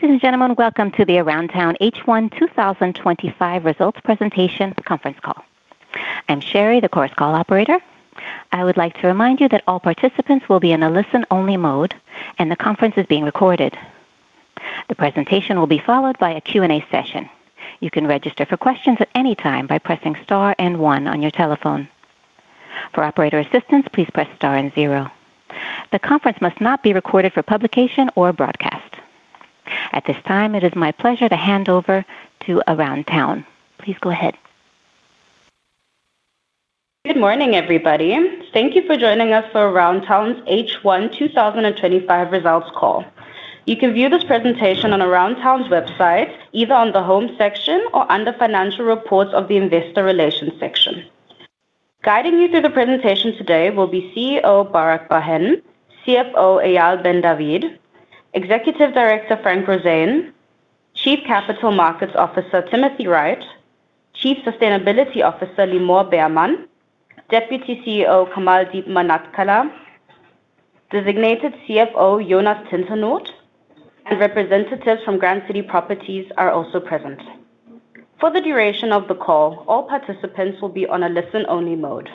Ladies and Gentlemen, welcome to the Aroundtown H1 2025 Results Presentation Conference call. I'm Sheri, the Chorus Call operator. I would like to remind you that all participants will be in a listen only mode and the conference is being recorded. The presentation will be followed by a Q&A session. You can register for questions at any time by pressing STAR and one on your telephone. For operator assistance, please press STAR and zero. The conference must not be recorded for publication or broadcast at this time. It is my pleasure to hand over to Aroundtown. Please go ahead. Good morning everybody. Thank you for joining us for Aroundtown's H1 2025 Results Call. You can view this presentation on Aroundtown's website, either on the Home section or under Financial Reports of the Investor Relations section. Guiding you through the presentation today will be CEO Barak Bar-Hen, CFO Eyal Ben David, Executive Director Frank Roseen, Chief Capital Markets Officer Timothy Wright, Chief Sustainability Officer Limor Bermann, Deputy CEO Kamaldeep Manaktala, designated CFO Jonas Tintelnot, and representatives from Grand City Properties are also present for the duration of the call. All participants will be on a listen only mode.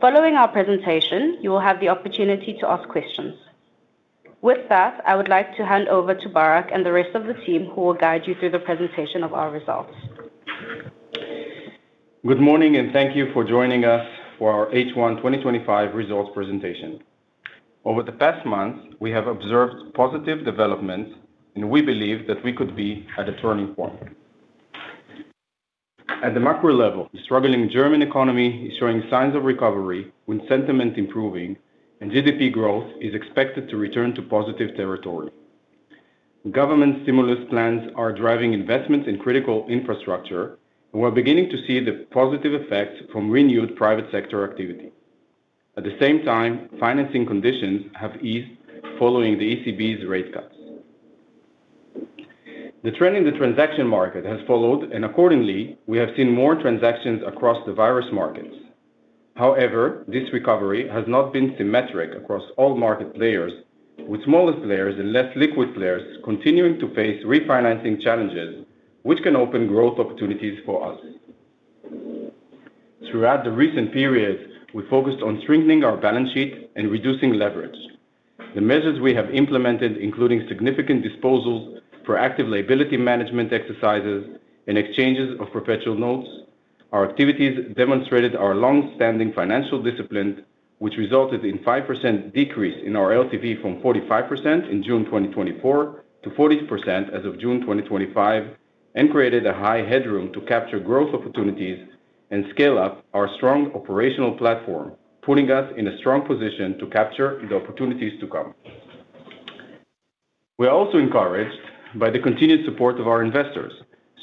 Following our presentation, you will have the opportunity to ask questions. With that, I would like to hand over to Barak and the rest of the team who will guide you through the presentation of our results. Good morning and thank you for joining us for our H1 2025 Results Presentation. Over the past month, we have observed positive development, and we believe that we could be at a turning point at the macro level. The struggling German economy is showing signs of recovery, with sentiment improving and GDP growth is expected to return to positive territory. Government stimulus plans are driving investments in critical infrastructure, and we're beginning to see the positive effects from renewed private sector activity. At the same time, financing conditions have eased following the ECB's rate cuts. The. Trend in the transaction market has followed and accordingly we have seen more transactions across the various markets. However, this recovery has not been symmetric across all market players, with smaller players and less liquid players continuing to face refinancing challenges which can open growth opportunities for us. Throughout the recent periods we focused on strengthening our balance sheet and reducing leverage. The measures we have implemented include significant disposals, proactive liability management exercises, and exchanges of perpetual notes. Our activities demonstrated our long-standing financial discipline which resulted in a 5% decrease in our LTV from 45% in June 2024 to 40% as of June 2025 and created a high headroom to capture growth opportunities and scale up our strong operational platform, putting us in a strong position to capture the opportunities to come. We are also encouraged by the continued support of our investors.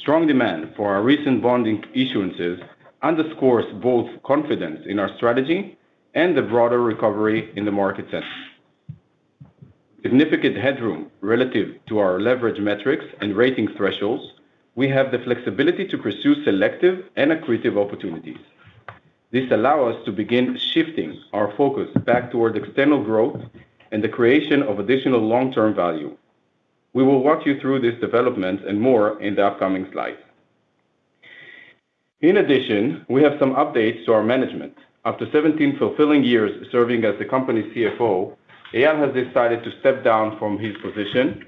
Strong demand for our recent bond issuances underscores both confidence in our strategy and the broader recovery in the market since significant headroom relative to our leverage metrics and rating thresholds. We have the flexibility to pursue selective and accretive opportunities. This allows us to begin shifting our focus back towards external growth and the creation of additional long-term value. We will walk you through this development and more in the upcoming slides. In addition, we have some updates to our management. After 17 fulfilling years serving as the company's CFO, Eyal has decided to step down from his position.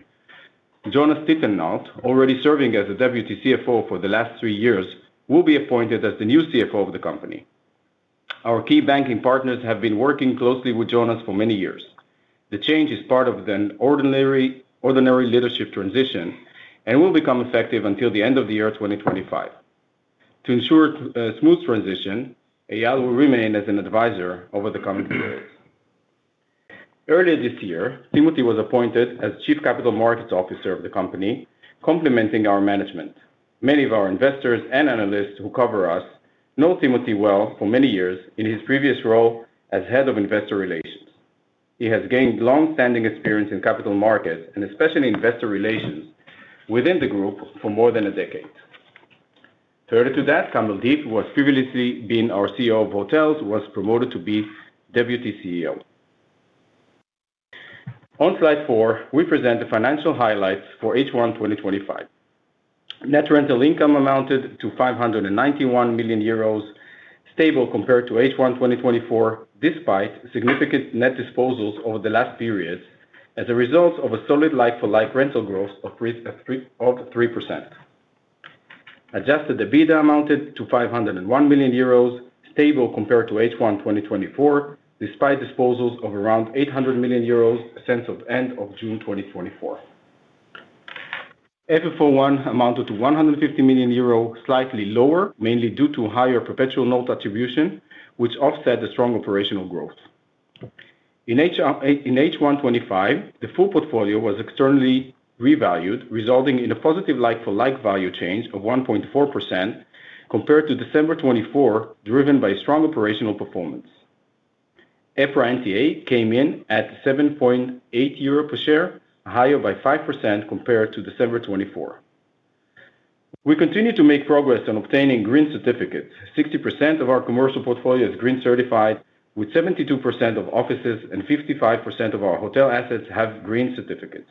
Jonas Tintelnot, already serving as the Deputy CFO for the last three years, will be appointed as the new CFO of the company. Our key banking partners have been working closely with Jonas for many years. The change is part of an ordinary leadership transition and will become effective until the end of the year 2025. To ensure a smooth transition, Eyal will remain as an advisor over the coming periods. Earlier this year, Timothy was appointed as Chief Capital Markets Officer of the company, complementing our management. Many of our investors and analysts who cover us know Timothy well for many years. In his previous role as Head of Investor Relations, he has gained long-standing experience in capital markets and especially investor relations within the group for more than a decade. Third to that, Kamaldeep, who has previously been our CEO of Hotels, was promoted to be Deputy CEO. On slide 4 we present the financial highlights for H1 2025. Net rental income amounted to 591 million euros, stable compared to H1 2024. Despite significant net disposals over the last period as a result of a solid like-for-like rental growth of 3%, adjusted EBITDA amounted to 501 million euros, stable compared to H1 2024. Despite disposals of around 800 million euros since end of June 2024, FFO1 amounted to 150 million euro, slightly lower mainly due to higher perpetual note attribution which offset the strong operational growth in H1 2025. The full portfolio was externally revalued, resulting in a positive like-for-like value change of 1.4% compared to 12-24-2020, driven by strong operational performance. EPRA NTA came in at 7.8 euro per share, higher by 5% compared to December 2024. We continue to make progress on obtaining green certifications. 60% of our commercial portfolio is green certified, with 72% of offices and 55% of our hotel assets having green certificates.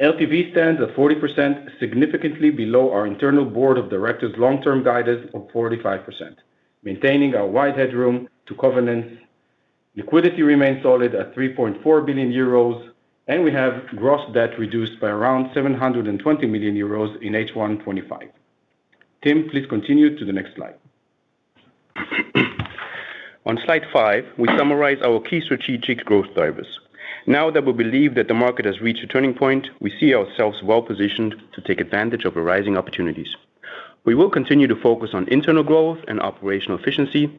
LTV stands at 40%, significantly below our internal Board of Directors long-term guidance of 45%, maintaining our wide headroom to covenants. Liquidity remains solid at 3.4 billion euros and we have gross debt reduced by around 720 million euros in H1 2025. Tim, please continue to the next slide. On slide 5 we summarize our key strategic growth drivers. Now that we believe that the market has reached a turning point, we see ourselves well positioned to take advantage of rising opportunities. We will continue to focus on internal growth and operational efficiency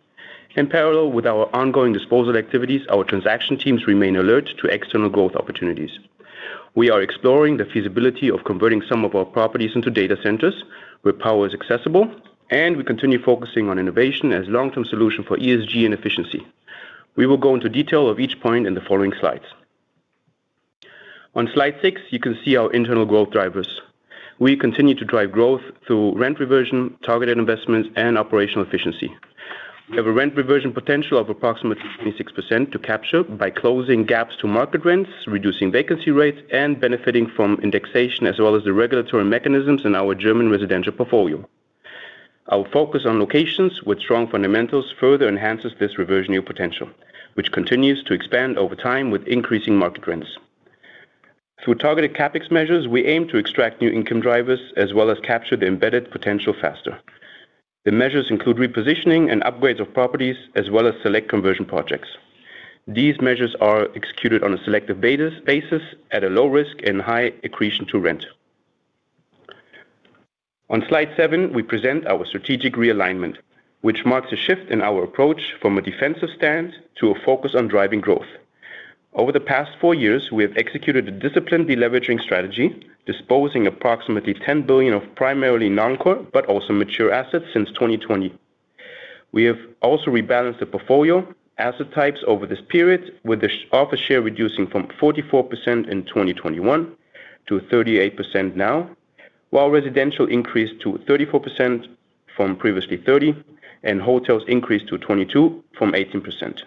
in parallel with our ongoing disposal activities. Our transaction teams remain alert to external growth opportunities. We are exploring the feasibility of converting some of our properties into data centers where power is accessible, and we continue focusing on innovation as long term solution for ESG and efficiency. We will go into detail of each point in the following slides. On slide 6 you can see our internal growth drivers. We continue to drive growth through rent reversion, targeted investments, and operational efficiency. We have a rent reversion potential of approximately 76% to capture by closing gaps to market rents, reducing vacancy rates, and benefiting from indexation as well as the regulatory mechanisms in our German residential portfolio. Our focus on locations with strong fundamentals further enhances this reversion yield potential, which continues to expand over time with increasing market trends. Through targeted CapEx measures, we aim to extract new income drivers as well as capture the embedded potential faster. The measures include repositioning and upgrades of properties as well as select conversion projects. These measures are executed on a selective basis at a low risk and high accretion to rent. On slide 7 we present our strategic realignment, which marks a shift in our approach from a defensive stand to a focus on driving growth. Over the past four years, we have. Executed a disciplined deleveraging strategy disposing approximately 10 billion of primarily non-core but also mature assets since 2020. We have also rebalanced the portfolio asset types over this period, with the office share reducing from 44% in 2021 to 38% now, while residential increased to 34% from previously 30% and hotels increased to 22% from 18%.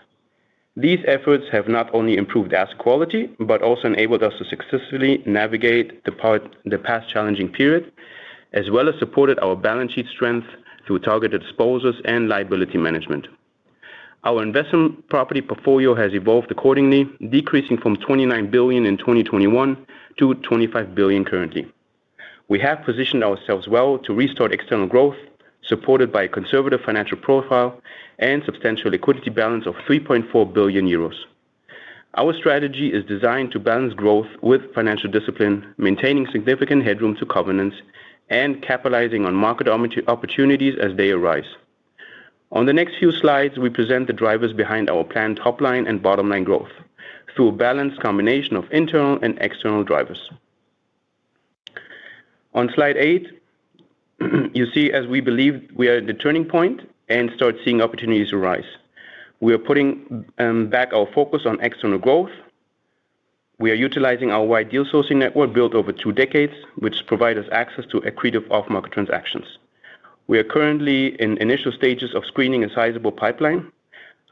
These efforts have not only improved asset quality but also enabled us to successfully navigate the past challenging period as well as supported our balance sheet strength through targeted disposals and liability management. Our investment property portfolio has evolved accordingly, decreasing from 29 billion in 2021 to 25 billion currently. We have positioned ourselves well to restart external growth supported by a conservative financial profile and substantial liquidity balance of 3.4 billion euros. Our strategy is designed to balance growth with financial discipline, maintaining significant headroom to covenants and capitalizing on market opportunities as they arise. On the next few slides we present the drivers behind our planned top line and bottom line growth through a balanced combination of internal and external drivers. On slide 8 you see, as we believe we are at the turning point and start seeing opportunities arise, we are putting back our focus on external growth. We are utilizing our wide deal sourcing network built over two decades which provides us access to accretive off-market transactions. We are currently in initial stages of screening a sizable pipeline.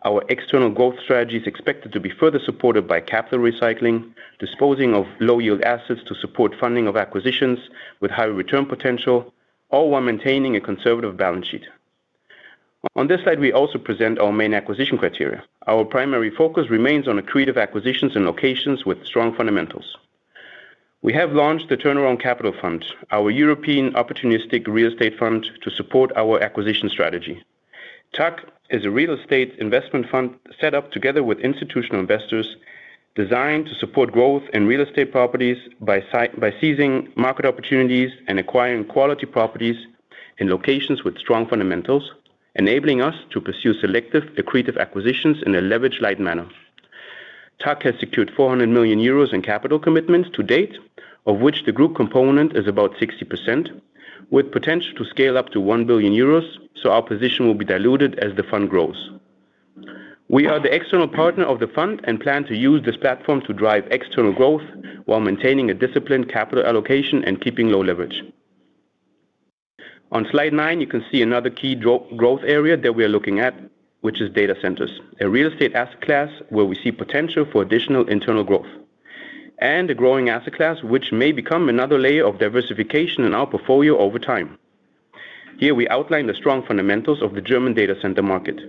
Our external growth strategy is expected to be further supported by capital recycling, disposing of low-yield assets to support funding of acquisitions with high return potential, all while maintaining a conservative balance sheet. On this slide we also present our main acquisition criteria. Our primary focus remains on accretive acquisitions and locations with strong fundamentals. We have launched the Turnaround Capital Fund, our European opportunistic real estate fund, to support our acquisition strategy. TAC is a real estate investment fund set up together with institutional investors designed to support growth in real estate properties by seizing market opportunities and acquiring quality properties in locations with strong fundamentals, enabling us to pursue selective accretive acquisitions in a leverage-light manner. TAC has secured 400 million euros in capital commitments to date, of which the group component is about 60% with potential to scale up to 1 billion euros, so our position will be diluted as the fund grows. We are the external partner of the fund and plan to use this platform to drive external growth while maintaining a disciplined capital allocation and keeping low leverage. On slide 9 you can see another key growth area that we are looking at, which is data centers, a real estate asset class where we see potential for additional internal growth and a growing asset class which may become another layer of diversification in our portfolio over time. Here we outline the strong fundamentals of the German data center market.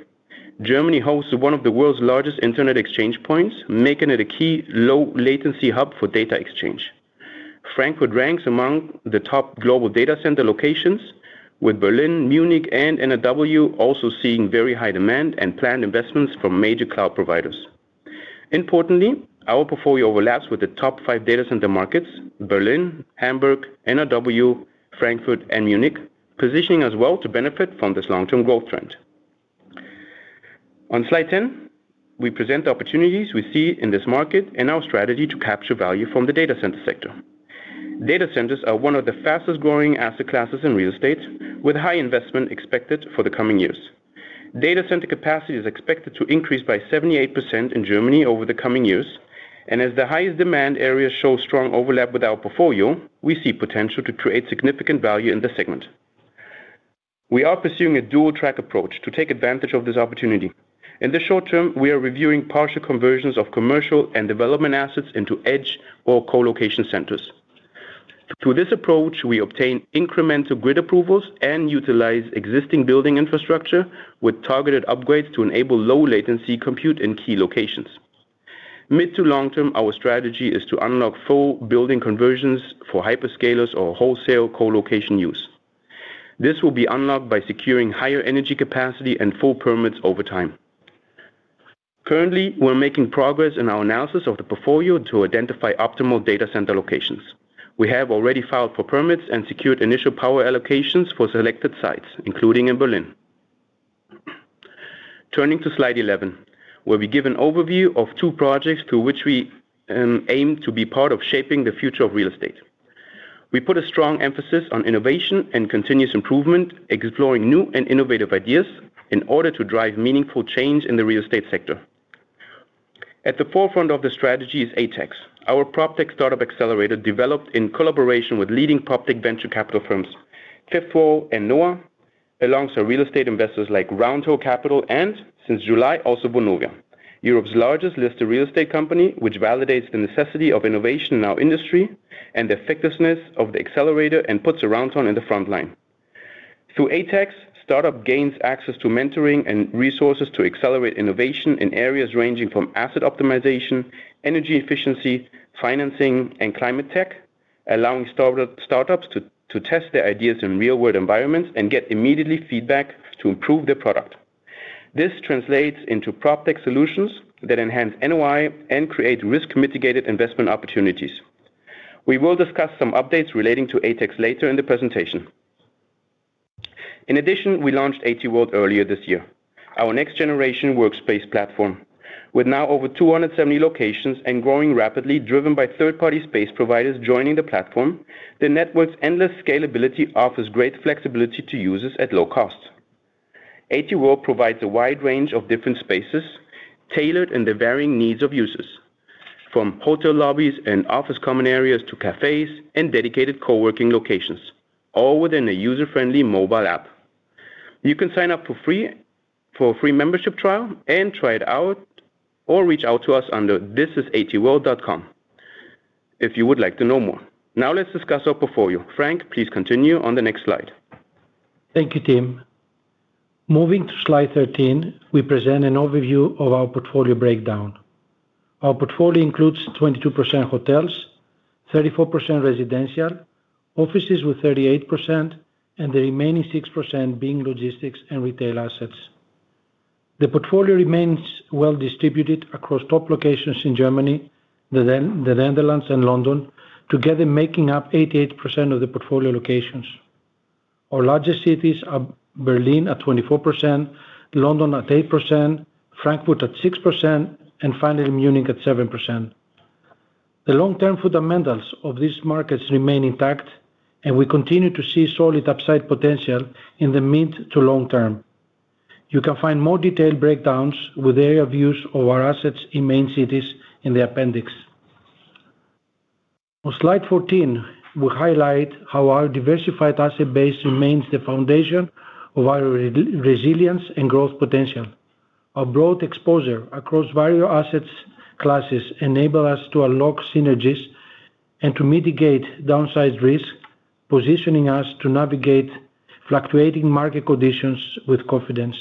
Germany hosts one of the world's largest Internet exchange points, making it a key low latency hub for data exchange. Frankfurt ranks among the top global data center locations, with Berlin, Munich, and NRW also seeing very high demand and planned investments from major cloud providers. Importantly, our portfolio overlaps with the top five data center markets: Berlin, Hamburg, NRW, Frankfurt, and Munich, positioning us well to benefit from this long-term growth trend. On slide 10 we present the opportunities we see in this market and our strategy to capture value from the data center sector. Data centers are one of the fastest growing asset classes in real estate, with high investment expected for the coming years. Data center capacity is expected to increase by 78% in Germany over the coming years, and as the highest demand areas show strong overlap with our portfolio, we see potential to create significant value in the segment. We are pursuing a dual track approach to take advantage of this opportunity. In the short term, we are reviewing partial conversions of commercial and development assets into edge or colocation centers. Through this approach, we obtain incremental grid approvals and utilize existing building infrastructure with targeted upgrades to enable low latency compute in key locations. Mid to long term, our strategy is to unlock full building conversions for hyperscalers or wholesale colocation use. This will be unlocked by securing higher energy capacity and full permits over time. Currently, we're making progress in our analysis of the portfolio to identify optimal data center locations. We have already filed for permits and secured initial power allocations for selected sites, including in Berlin. Turning to slide 11 where we give an overview of two projects through which we aim to be part of shaping the future of real estate. We put a strong emphasis on innovation and continuous improvement, exploring new and innovative ideas in order to drive meaningful change in the real estate sector. At the forefront of the strategy is Atex, our proptech startup accelerator developed in collaboration with leading proptech venture capital firms Fifth Wall and NOAH, alongside real estate investors like Roundhill Capital and since July also Vonovia, Europe's largest listed real estate company, which validates the necessity of innovation in our industry and the effectiveness of the accelerator and puts Aroundtown in the front line. Through ATX startups gain access to mentoring and resources to accelerate innovation in areas ranging from asset optimization, energy efficiency, financing, and climate tech, allowing startups to test their ideas in real world environments and get immediate feedback to improve their product. This translates into proptech solutions that enhance NOI and create risk-mitigated investment opportunities. We will discuss some updates relating to ATX later in the presentation. In addition, we launched AtWorld earlier this year, our next generation workspace platform with now over 270 locations and growing rapidly. Driven by third party space providers joining the platform, the network's endless scalability offers great flexibility to users at low cost. AT World provides a wide range of different spaces tailored to the varying needs of users from hotel lobbies and office common areas to cafes and dedicated co-working locations all within a user-friendly mobile app. You can sign up for free and for a free membership trial and try it out or reach out to us under thisisatworld.com if you would like to know more. Now let's discuss our portfolio. Frank, please continue on the next slide. Thank you, Tim. Moving to slide 13, we present an overview of our portfolio breakdown. Our portfolio includes 22% hotel properties, 34% residential properties, office properties with 38%, and the remaining 6% being logistics and retail assets. The portfolio remains well distributed across top locations in Germany, the Netherlands, and London, together making up 88% of the portfolio locations. Our largest cities are Berlin at 24%, London at 8%, Frankfurt at 6%, and finally Munich at 7%. The long-term fundamentals of these markets remain intact, and we continue to see solid upside potential in the mid to long term. You can find more detailed breakdowns with area views of our assets in main cities in the Appendix. On slide 14. We highlight how our diversified asset base remains the foundation of our resilience and growth potential. Our broad exposure across various asset classes enables us to unlock synergies and to mitigate downside risk, positioning us to navigate fluctuating market conditions with confidence.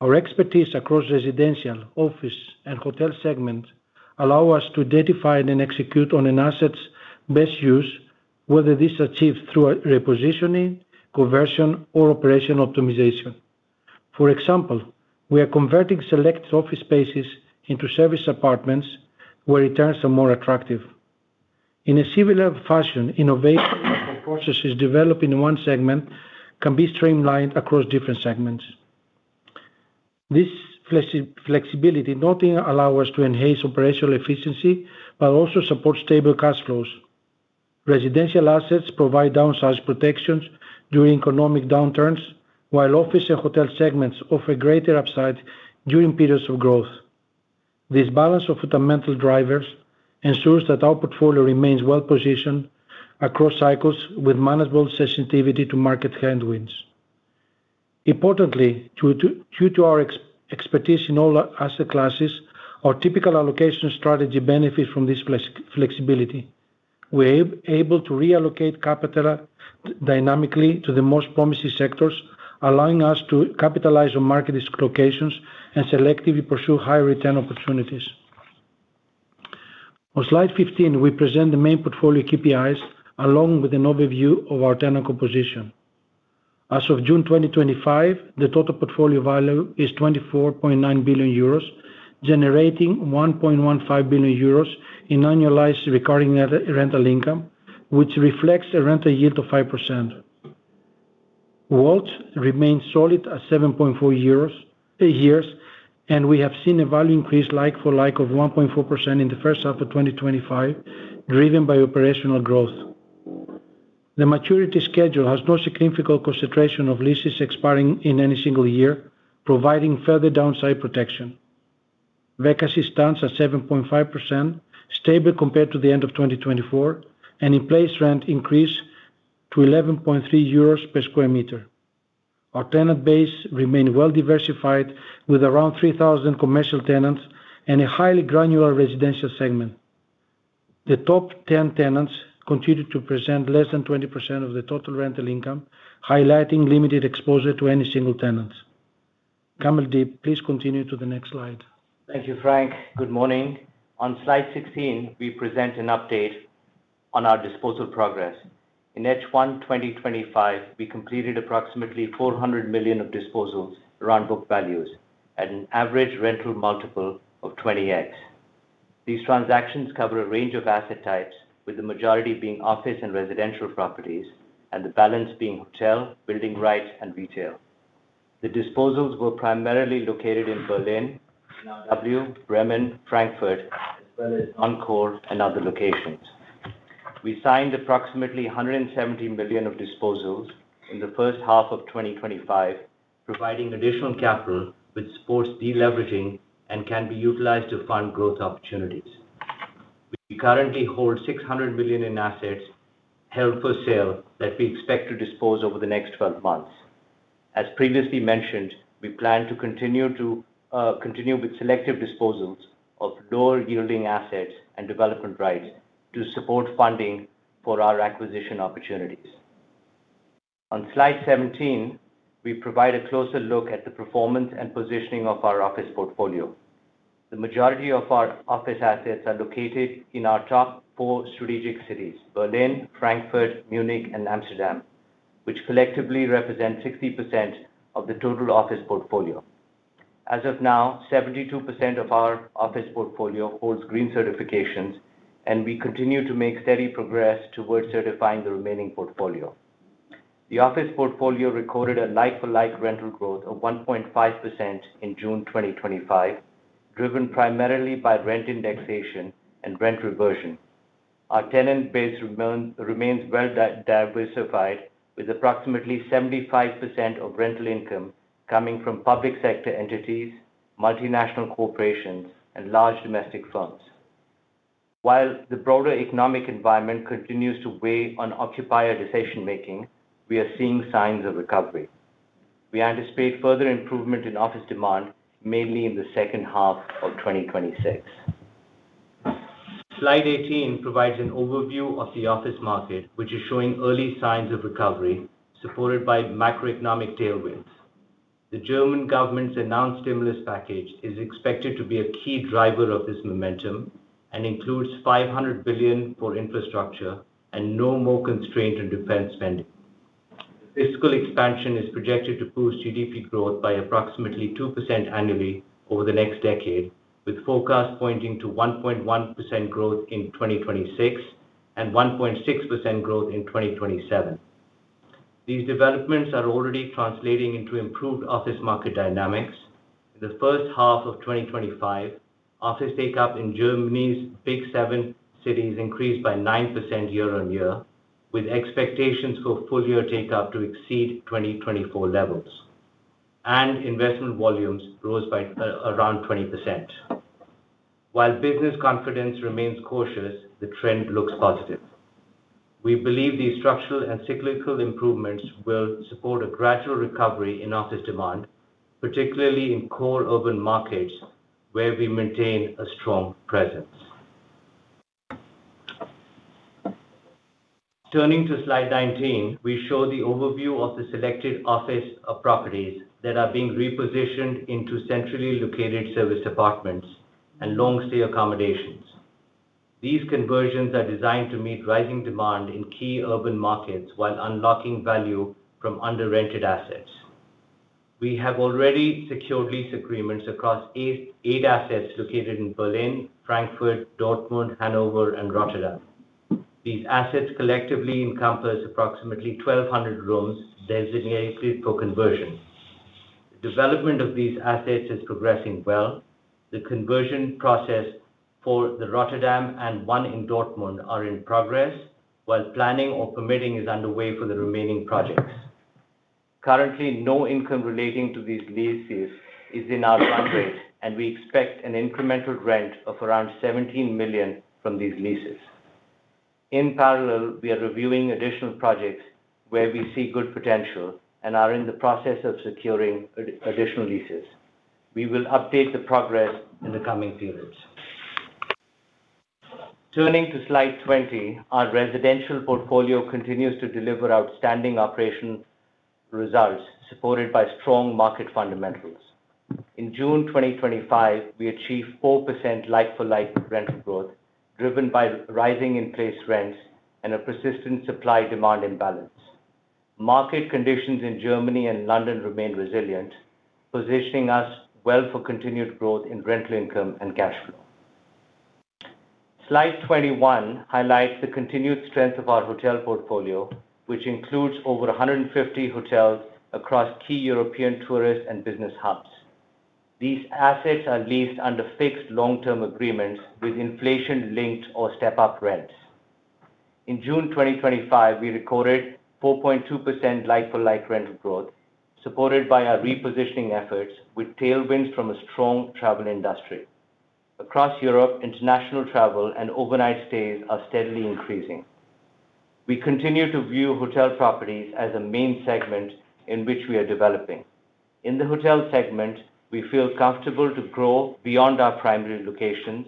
Our expertise across residential, office, and hotel segments allows us to identify and execute on an asset's best use, whether this is achieved through repositioning, conversion, or operational optimization. For example, we are converting select trophy spaces into serviced apartments where returns are more attractive. In a similar fashion, innovative processes developed in one segment can be streamlined across different segments. This flexibility not only allows us to enhance operational efficiency, but also supports stable cash flows. Residential assets provide downside protection during economic downturns, while office and hotel segments offer greater upside during periods of growth. This balance of fundamental drivers ensures that our portfolio remains well positioned across cycles with manageable sensitivity to market headwinds. Importantly, due to our expertise in all asset classes, our typical allocation strategy benefits from this flexibility. We are able to reallocate capital dynamically to the most promising sectors, allowing us to capitalize on market dislocations and selectively pursue high return opportunities. On slide 15, we present the main portfolio KPIs along with an overview of our tenant composition. As of June 2025, the total portfolio value is 24.9 billion euros, generating 1.15 billion euros in annualized recurring rental income, which reflects a rental yield of 5%. WAULT remains solid at 7.4 years and we have seen a value increase like-for-like of 1.4% in the first half of 2025. Driven by operational growth, the maturity schedule has no significant concentration of leases expiring in any single year, providing further downside protection. Vacancy stands at 7.5%, stable compared to the end of 2024, and in-place rent increased to 11.3 euros per square meter. Our tenant base remained well diversified with around 3,000 commercial tenants and a highly granular residential segment. The top 10 tenants continue to present less than 20% of the total rental income, highlighting limited exposure to any single tenant. Kamaldeep, please continue to the next slide. Thank you, Frank. Good morning. On slide 16, we present an update on our disposal progress. In H1 2025, we completed approximately 400 million of disposals around book values at an average rental multiple of 20x. These transactions cover a range of asset types, with the majority being office and residential properties and the balance being hotel building rights and retail. The disposals were primarily located in Berlin, Wiesbaden, Bremen, Frankfurt, Enschede, and other locations. We signed approximately 170 million of disposals in the first half of 2025, providing additional capital which supports deleveraging and can be utilized to fund growth opportunities. We currently hold 600 million in assets held for sale that we expect to dispose over the next 12 months. As previously mentioned, we plan to continue with selective disposals of lower yielding assets and development rights to support funding for our acquisition opportunities. On slide 17, we provide a closer look at the performance and positioning of our office portfolio. The majority of our office assets are located in our top four strategic cities: Berlin, Frankfurt, Munich, and Amsterdam, which collectively represent 60% of the total office portfolio. As of now, 72% of our office portfolio holds green certifications, and we continue to make steady progress towards certifying the remaining portfolio. The office portfolio recorded a like-for-like rental growth of 1.5% in June 2025, driven primarily by rent indexation and rent reversion. Our tenant base remains well diversified, with approximately 75% of rental income coming from public sector entities, multinational corporations, and large domestic firms. While the broader economic environment continues to weigh on occupier decision making, we are seeing signs of recovery. We anticipate further improvement in office demand mainly in the second half of 2026. Slide 18 provides an overview of the office market, which is showing early signs of recovery supported by macroeconomic tailwinds. The German government's announced stimulus package is expected to be a key driver of this momentum and includes 500 billion for infrastructure and no more constraint on defense spending. Fiscal expansion is projected to boost GDP growth by approximately 2% annually over the next decade, with forecasts pointing to 1.1% growth in 2026 and 1.6% growth in 2027. These developments are already translating into improved office market dynamics. In the first half of 2025, office take-up in Germany's big seven cities increased by 9% year-on-year, with expectations for full year take-up to exceed 2024 levels, and investment volumes rose by around 20%. While business confidence remains cautious, the trend looks positive. We believe these structural and cyclical improvements will support a gradual recovery in office demand, particularly in core urban markets where we maintain a strong presence. Turning to slide 19, we show the overview of the selected office properties that are being repositioned into centrally located service apartments and long stay accommodations. These conversions are designed to meet rising demand in key urban markets while unlocking value from under-rented assets. We have already secured lease agreements across eight assets located in Berlin, Frankfurt, Dortmund, Hanover, and Rotterdam. These assets collectively encompass approximately 1,200 rooms designated for conversion. Development of these assets is progressing well. The conversion process for the Rotterdam and one in Dortmund are in progress, while planning or permitting is underway for the remaining projects. Currently, no income relating to these leases is in our run rate, and we expect an incremental rent of around 17 million from these leases. In parallel, we are reviewing additional projects where we see good potential and are in the process of securing additional leases. We will update the progress in the coming periods. Turning to slide 20, our residential portfolio continues to deliver outstanding operational results supported by strong market fundamentals. In June 2025, we achieved 4% like-for-like rental growth driven by rising in-place rents and a persistent supply-demand imbalance. Market conditions in Germany and London remain resilient, positioning us well for continued growth in rental income and cash flow. Slide 21 highlights the continued strength of our hotel portfolio, which includes over 150 hotels across key European tourist and business hubs. These assets are leased under fixed long-term agreements with inflation-linked or step-up rents. In June 2025, we recorded 4.2% like-for-like rental growth supported by our repositioning efforts. With tailwinds from a strong travel industry across Europe, international travel and overnight stays are steadily increasing. We continue to view hotel properties as a main segment in which we are developing. In the hotel segment we feel comfortable to grow beyond our primary locations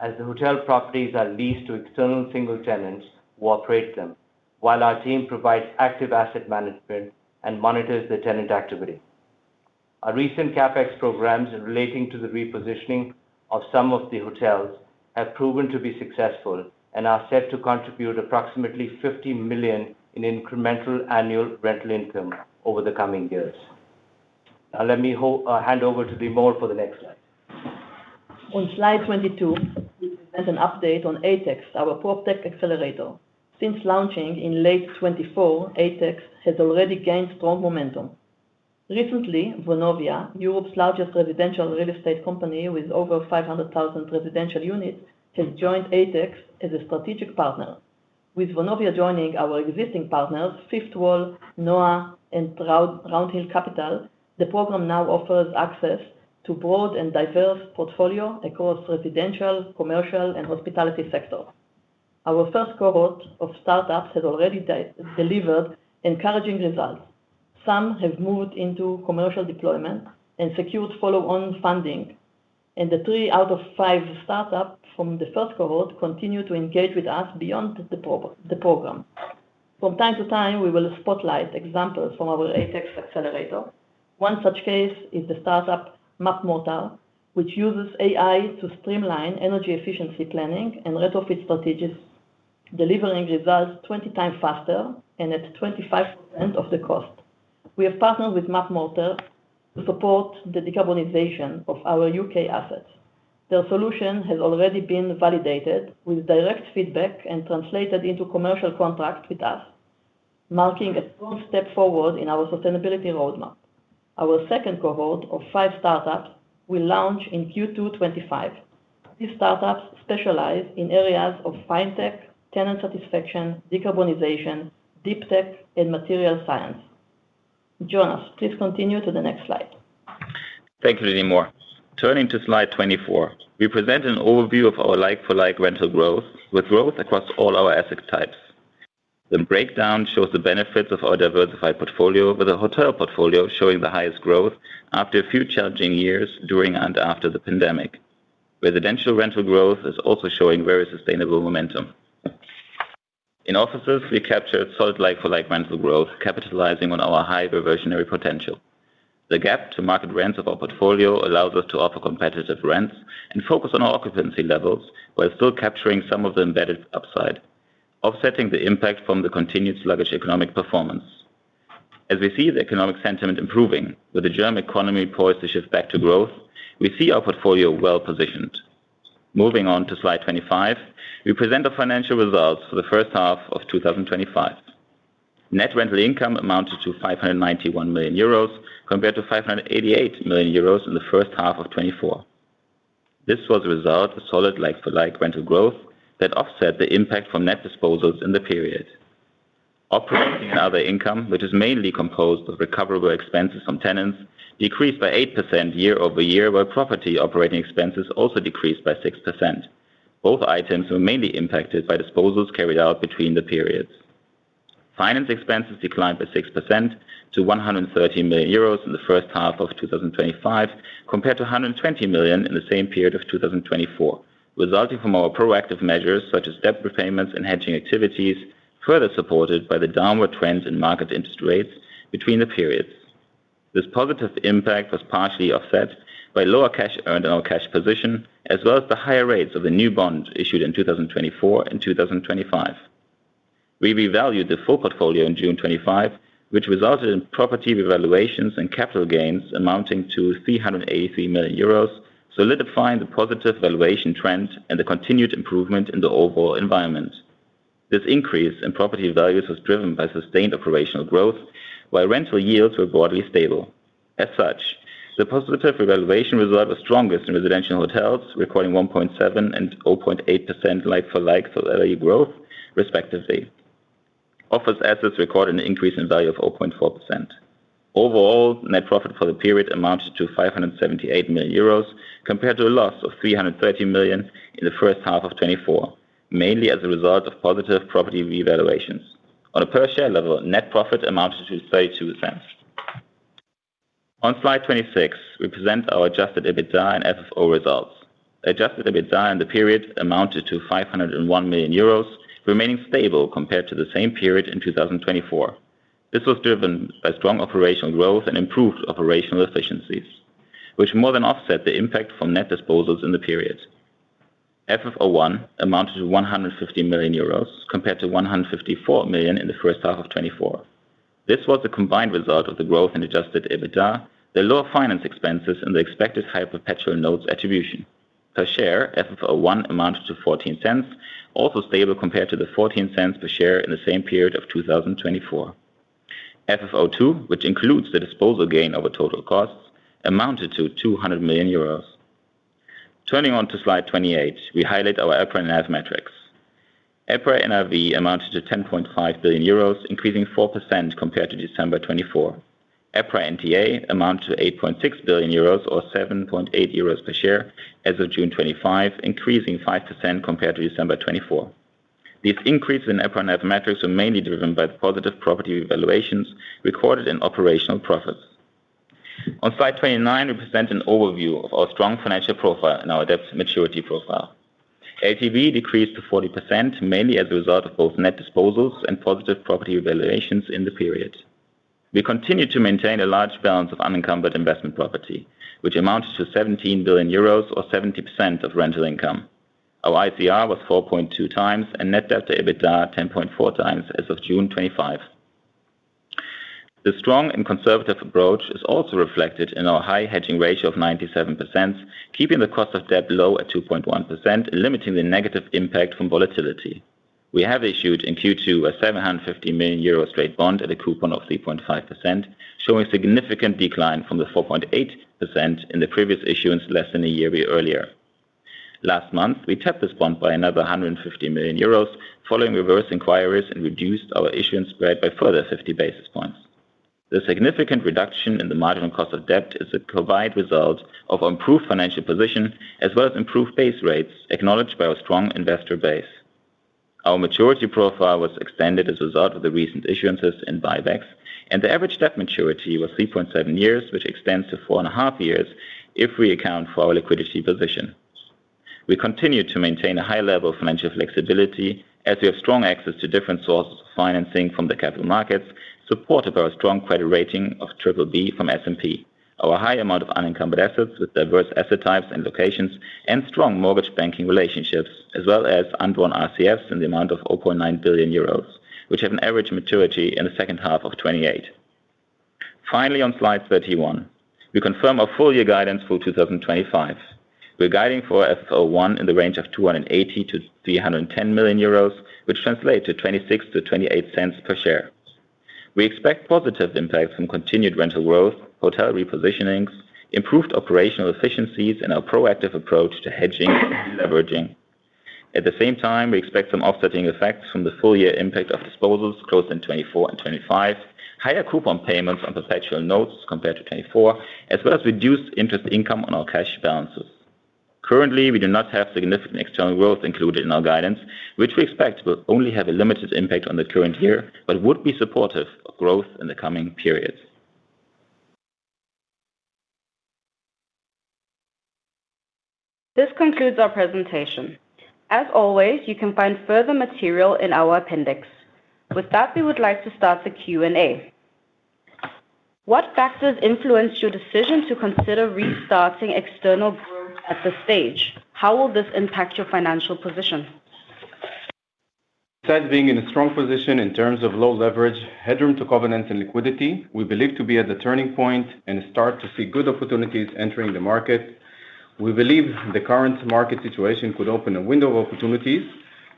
as the hotel properties are leased to external single tenants who operate them while our team provides active asset management and monitors the tenant activity. Our recent CapEx programs relating to the repositioning of some of the hotels have proven to be successful and are set to contribute approximately 50 million in incremental annual rental income over the coming years. Let me hand over to Limor for. The next slide on slide 22 and an update on ATX, our proptech accelerator. Since launching in late 2024, ATX has already gained strong momentum. Recently, Vonovia, Europe's largest residential real estate company with over 500,000 residential units, has joined ATX as a strategic partner. With Vonovia joining our existing partners Fifth Wall, NOAH, and Roundhill Capital, the program now offers access to a broad and diverse portfolio across residential, commercial, and hospitality sectors. Our first cohort of startups has already delivered encouraging results. Some have moved into commercial deployment and secured follow-on funding, and 3 out of 5 startups from the first cohort continue to engage with us beyond the program. From time to time, we will spotlight examples from our ATX accelerator. One such case is the startup Mapmotor, which uses AI to streamline energy efficiency, planning, and retrofit strategies, delivering results 20 times faster and at 25% of the cost. We have partnered with MAC Motor to support the decarbonization of our U.K. assets. The solution has already been validated with direct feedback and translated into commercial contracts with us, marking a step forward in our sustainability roadmap. Our second cohort of five startups will launch in Q2 2025. These startups specialize in areas of fintech, tenant satisfaction, decarbonization, deep tech, and material science. Jonas, please continue to the next slide. Thank you. Turning to Slide 24, we present an overview of our like-for-like rental growth with growth across all our asset types. The breakdown shows the benefits of our diversified portfolio, with a hotel portfolio showing the highest growth after a few challenging years during and after the pandemic. Residential rental growth is also showing very sustainable momentum. In offices, we captured solid like-for-like rental growth, capitalizing on our high diversionary potential. The gap to market rents of our portfolio allows us to offer competitive rents and focus on our occupancy levels while still capturing some of the embedded upside, offsetting the impact from the continued sluggish economic performance as we see the economic sentiment improving. With the German economy poised to shift back to growth, we see our portfolio well positioned. Moving on to Slide 25, we present the financial results for the first half of 2025. Net rental income amounted to 591 million euros compared to 588 million euros in 1H24. This was a result of solid like-for-like portfolio revaluation. For like rental growth that offset the impact from net disposals in the period. Operating and other income, which is mainly composed of recoverable expenses on tenants, decreased by 8% year-over-year, while property operating expenses also decreased by 6%. Both items were mainly impacted by disposals carried out between the periods. Finance expenses declined by 6% to 113 million euros in the first half of 2025 compared to 120 million in the same period of 2024, resulting from our proactive measures such as debt repayments and hedging activities, further supported by the downward trends in market interest rates between the periods. This positive impact was partially offset by lower cash earned in our cash position as well as the higher rates of the new bond issued in 2024 and 2025. We revalued the full portfolio on June 25th, which resulted in property revaluations and capital gains amounting to 383 million euros, solidifying the positive valuation trend and the continued improvement in the overall environment. This increase in property values was driven by sustained operational growth while rental yields were broadly stable. As such, the positive revaluation result was. Strongest in residential, hotels recording 1.7% and 0.8% like-for-like for LAE growth respectively. Office assets record an increase in value of 0.4%. Overall net profit for the period amounted to 578 million euros compared to a loss of 330 million in 1H 2024, mainly as a result of positive property revaluations. On a per share level, net profit amounted to 0.32. On slide 26 we present our adjusted EBITDA and FFO results. Adjusted EBITDA in the period amounted to 501 million euros, remaining stable compared to the same period in 2024. This was driven by strong operational growth and improved operational efficiencies, which more than offset the impact from net disposals in the period. FFO1 amounted to 150 million euros compared to 154 million in 1H 2024. This was a combined result of the growth in adjusted EBITDA, the lower finance expenses, and the expected high perpetual notes attribution per share. FFO1 amounted to 0.14, also stable compared to the 0.14 per share in the same period of 2024. FFO2, which includes the disposal gain over total costs, amounted to 200 million euros. Turning on to slide 28, we highlight our EPRA lab metrics. EPRA NRV amounted to 10.5 billion euros, increasing 4% compared to December 2024. EPRA NTA amounted to 8.6 billion euros or 7.8 euros per share as of June 2025, increasing 5% compared to December 2024. This increase in EPRA NTA metrics was mainly driven by the positive property revaluations recorded in operational profit. On slide 29 we present an overview of our strong financial profile and our debt maturity profile. LTV decreased to 40% mainly as a result of both net disposals and positive property revaluations in the period. We continued to maintain a large balance of unencumbered investment property, which amounted to 17 billion euros or 70% of rental income. Our ICR was 4.2x and net debt to EBITDA 10.4x as of June 2025. The strong and conservative approach is also reflected in our high hedging ratio of 97%, keeping the cost of debt low at 2.1% and limiting the negative impact from volatility. We have issued in Q2 a 750 million euro straight bond at a coupon of 3.5%, showing significant decline from the 4.8% in the previous issuance less than a year earlier. Last month we tapped this bond by another 150 million euros following reverse inquiries and reduced our issuance spread by further 50 basis points. The significant reduction in the marginal cost. Of debt is a combined result of. Our improved financial position as well as improved base rates acknowledged by our strong investor base. Our maturity profile was extended as a result of the recent issuances and buybacks, and the average debt maturity was 3.7 years, which extends to 4.5 years if we account for our liquidity position. We continue to maintain a high level of financial flexibility as we have strong access to different sources of financing from the capital markets, supported by our strong credit rating of BBB from S&P, our high amount of unencumbered assets with diverse asset types and locations, and strong mortgage banking relationships, as well as undrawn RCFs in the amount of 0.9 billion euros, which have an average maturity in 2H 2028. Finally, on slide 31, we confirm our full year guidance for 2025. We're guiding for FFO1 in the range of 280 million-310 million euros, which translates to 0.26-0.28 per share. We expect positive impact from continued rental growth, hotel repositionings, improved operational efficiencies, and our proactive approach to hedging and leveraging. At the same time, we expect some offsetting effects from the full year impact of disposals closed in 2024 and 2025, higher coupon payments on perpetual notes compared to 2024, as well as reduced interest income on our cash balances. Currently, we do not have significant external growth included in our guidance, which we expect will only have a limited impact on the current year but would be supportive of growth in the coming period. This concludes our presentation. As always, you can find further material in our appendix. With that, we would like to start the Q and A. What factors influenced your decision to consider restarting external at this stage? How will this impact your financial position? Besides being in a strong position in terms of low leverage, headroom to covenants, and liquidity, we believe to be at the turning point and start to see good opportunities entering the market. We believe the current market situation could open a window of opportunities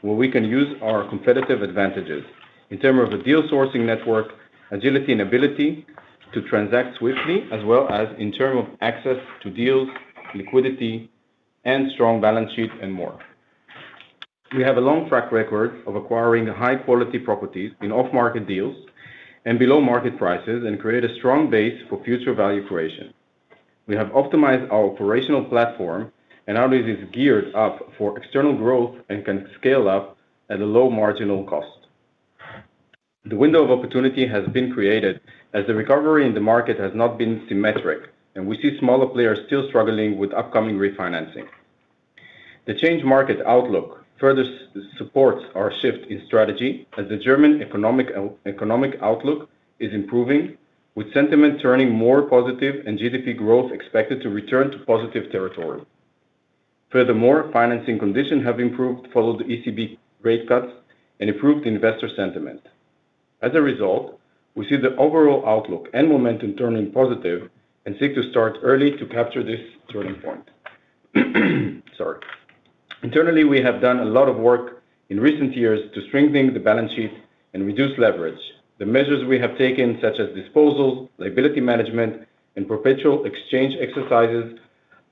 where we can use our competitive advantages in terms of a deal sourcing network, agility, and ability to transact swiftly as well as in terms of access to deals, liquidity, strong balance sheet, and more. We have a long track record of acquiring high quality properties in off market deals and below market prices and create a strong base for future value creation. We have optimized our operational platform and Aroundtown is geared up for external growth and can scale up at a low marginal cost. The window of opportunity has been created as the recovery in the market has not been symmetric and we see smaller players still struggling with upcoming refinancing. The change in market outlook further supports our shift in strategy as the German economic outlook is improving with sentiment turning more positive and GDP growth expected to return to positive territory. Furthermore, financing conditions have improved following the ECB rate cuts and improved investor sentiment. As a result, we see the overall outlook and momentum turning positive and seek to start early to capture this turning point. Internally, we have done a lot of work in recent years to strengthen the balance sheet and reduce leverage. The measures we have taken such as asset disposals, liability management, and perpetual note exchanges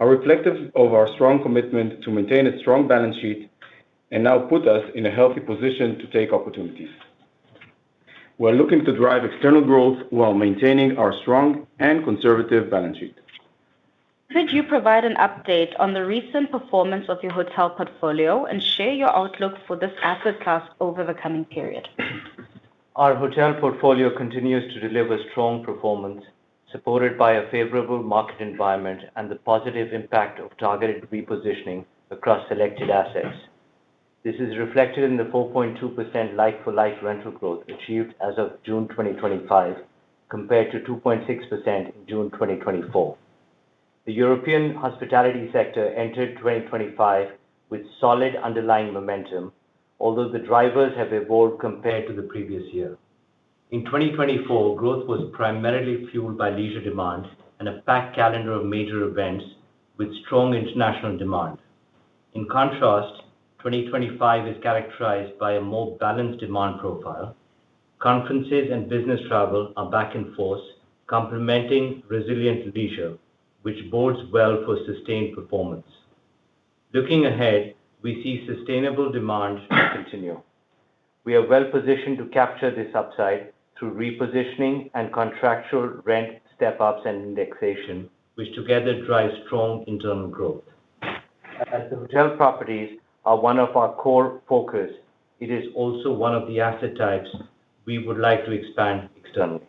are reflective of our strong commitment to maintain a strong balance sheet and now put us in a healthy position to take opportunities. We're looking to drive external growth while maintaining our strong and conservative balance sheet. Could you provide an update on the recent performance of your hotel portfolio and share your outlook for this asset class over the coming period? Our hotel portfolio continues to deliver strong performance, supported by a favorable market environment and the positive impact of targeted repositioning across selected assets. This is reflected in the 4.2% like-for-like rental growth achieved as of June 2025, compared to 2.6% in June 2024. The European hospitality sector entered 2025 with solid underlying momentum, although the drivers have evolved compared to the previous year. In 2024, growth was primarily fueled by leisure demand and a packed calendar of major events with strong international demand. In contrast, 2025 is characterized by a more balanced demand profile. Conferences and business travel are back in force, complementing resilient leisure, which bodes well for sustained performance. Looking ahead, we see sustainable demand continue. We are well positioned to capture this upside through repositioning and contractual rent step-ups and indexation, which together drive strong internal growth. As the hotel properties are one of our core focus, it is also one of the asset types we would like to expand externally.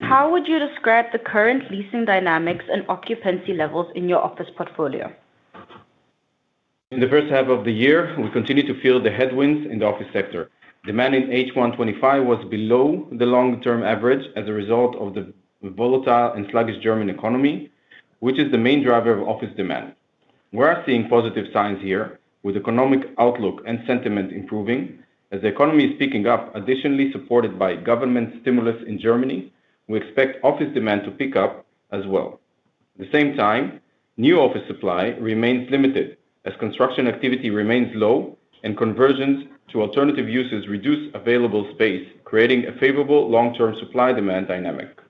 How would you describe the current leasing dynamics and occupancy levels in your office? Portfolio in the first half of the year? We continue to feel the headwinds in the office sector. Demand in H1 25 was below the long-term average as a result of the volatile and sluggish German economy, which is the main driver of office demand. We are seeing positive signs here, with economic outlook and sentiment improving as the economy is picking up. Additionally, supported by government stimulus in Germany, we expect office demand to pick up as well. At the same time, new office supply remains limited as construction activity remains low and conversions to alternative uses reduce available space, creating a favorable long-term supply-demand dynamic.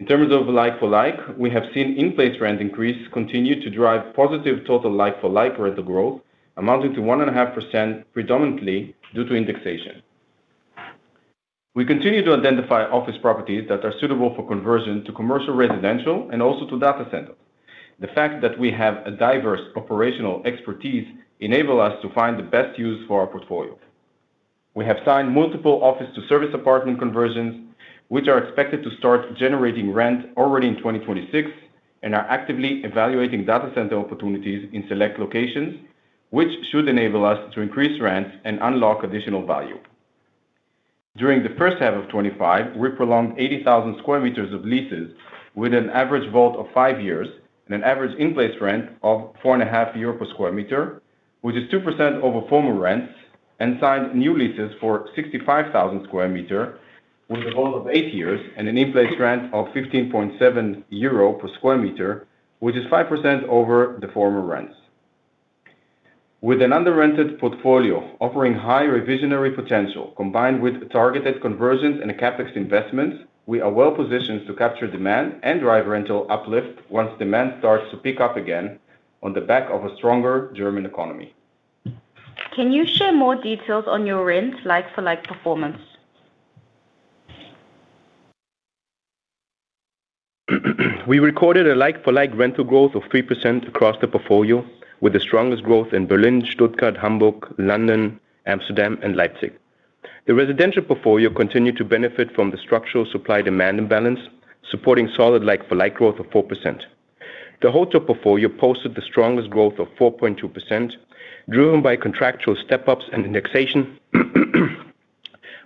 In terms of like-for-like, we have seen inflates rent increase continue to drive positive total like-for-like parental growth amounting to 1.5%, predominantly due to indexation. We continue to identify office properties that are suitable for conversion to commercial, residential, and also to data center. The fact that we have a diverse operational expertise enables us to find the best use for our portfolio. We have signed multiple office to service apartment conversions, which are expected to start generating rent already in 2026, and are actively evaluating data center opportunities in select locations, which should enable us to increase rents and unlock additional value. During H1 25, we prolonged 80,000 square meters of leases with an average vault of 5 years and an average in-place rent of 4.5 euros per square meter, which is 2% over former rents, and signed new leases for 65,000 square meters with the goal of 8 years and an in-place rent of 15.7 euro per square meter, which is 5% over the former rents. With an underrented portfolio offering high revisionary potential combined with targeted conversions and CapEx investments, we are well positioned to capture demand and drive rental uplift once demand starts to pick up again on the back of a stronger German economy. Can you share more details on your like-for-like rent performance? We recorded a like-for-like rental growth of 3% across the portfolio, with the strongest growth in Berlin, Stuttgart, Hamburg, London, Amsterdam, and Leipzig. The residential portfolio continued to benefit from the structural supply-demand imbalance, supporting solid like-for-like growth of 4%. The hotel portfolio posted the strongest growth of 4.2%, driven by contractual step-ups and indexation,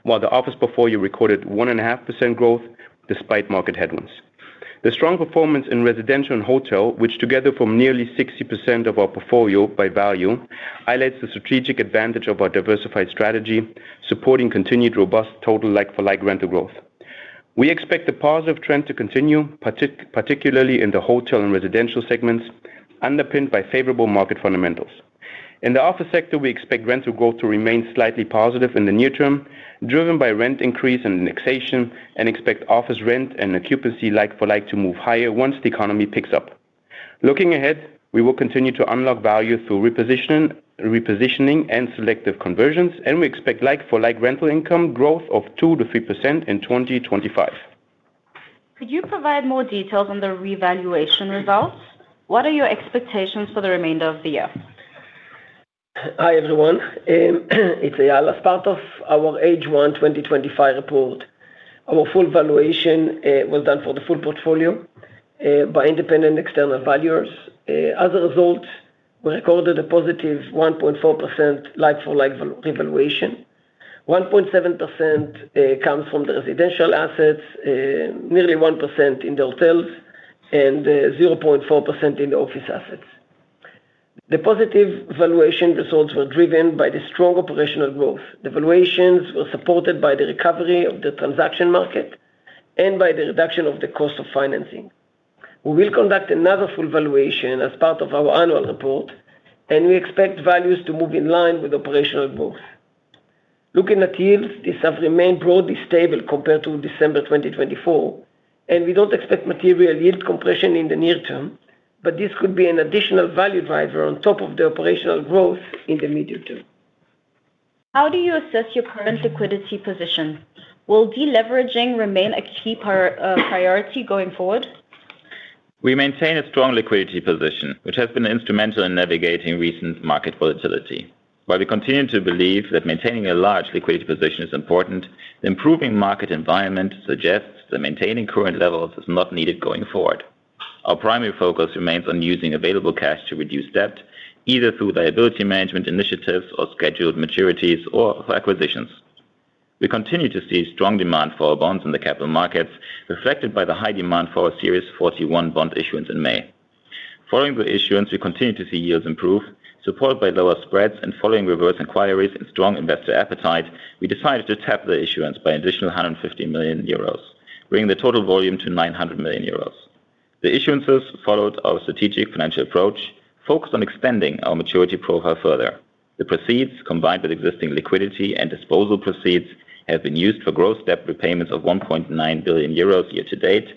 while the office portfolio recorded 1.5% growth despite market headwinds. The strong performance in residential and hotel, which together form nearly 60% of our portfolio by value, highlights the strategic advantage of our diversified strategy, supporting continued robust total like-for-like rental growth. We expect the positive trend to continue, particularly in the hotel and residential segments, underpinned by favorable market fundamentals. In the office sector, we expect rental growth to remain slightly positive in the near term, driven by rent increase and indexation, and expect office rent and occupancy like-for-like to move higher once the economy picks up. Looking ahead, we will continue to unlock value through repositioning and selective conversions, and we expect like-for-like rental income growth of 2%-3% in 2025. Could you provide more details on the revaluation results? What are your expectations for the remainder of the year? Hi everyone, it's Eyal. As part of our H1 2025 report, our full valuation was done for the full portfolio by independent external valuers. As a result, we recorded a positive 1.4%. Like-for-like revaluation, 1.7% comes from the residential assets, nearly 1% in the hotel properties, and 0.4% in the office properties. The positive valuation results were driven by the strong operational growth. The valuations were supported by the recovery of the transaction market and by the reduction of the cost of financing. We will conduct another full valuation as part of our annual report, and we expect values to move in line with operational growth. Looking at yields, these have remained broadly stable compared to December 2024, and we don't expect material yield compression in the near term. This could be an additional value driver on top of the operational growth in the medium term. How do you assess your current liquidity position? Will deleveraging remain a key priority going forward? We maintain a strong liquidity position, which has been instrumental in navigating recent market volatility. While we continue to believe that maintaining a large liquidity position is important, the improving market environment suggests that maintaining current levels is not needed going forward. Our primary focus remains on using available cash to reduce debt, either through liability management initiatives, scheduled maturities, or acquisitions. We continue to see strong demand for our bonds in the capital markets, reflected by the high demand for our Series 41 bond issuance in May. Following the issuance, we continue to see yields improve, supported by lower spreads, and following reverse inquiries and strong investor appetite, we decided to tap the issuance by an additional 150 million euros, bringing the total volume to 900 million euros. The issuances followed our strategic financial approach focused on expanding our maturity profile. Further. The proceeds combined with existing liquidity and disposal proceeds have been used for gross debt repayments of 1.9 billion euros year-to-date.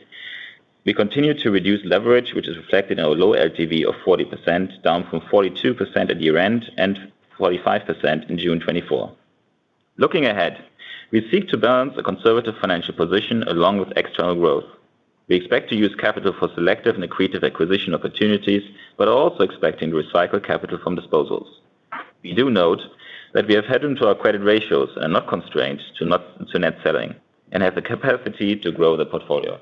We continue to reduce leverage, which is reflected in our low LTV of 40%, down from 42% at year end and 45% in June 2023. Looking ahead, we seek to balance a conservative financial position along with external growth. We expect to use capital for selective and accretive acquisition opportunities, but are also expecting to recycle capital from disposals. We do note that we have headroom into our credit ratios and are not constrained to net selling and have the capacity to grow the portfolio.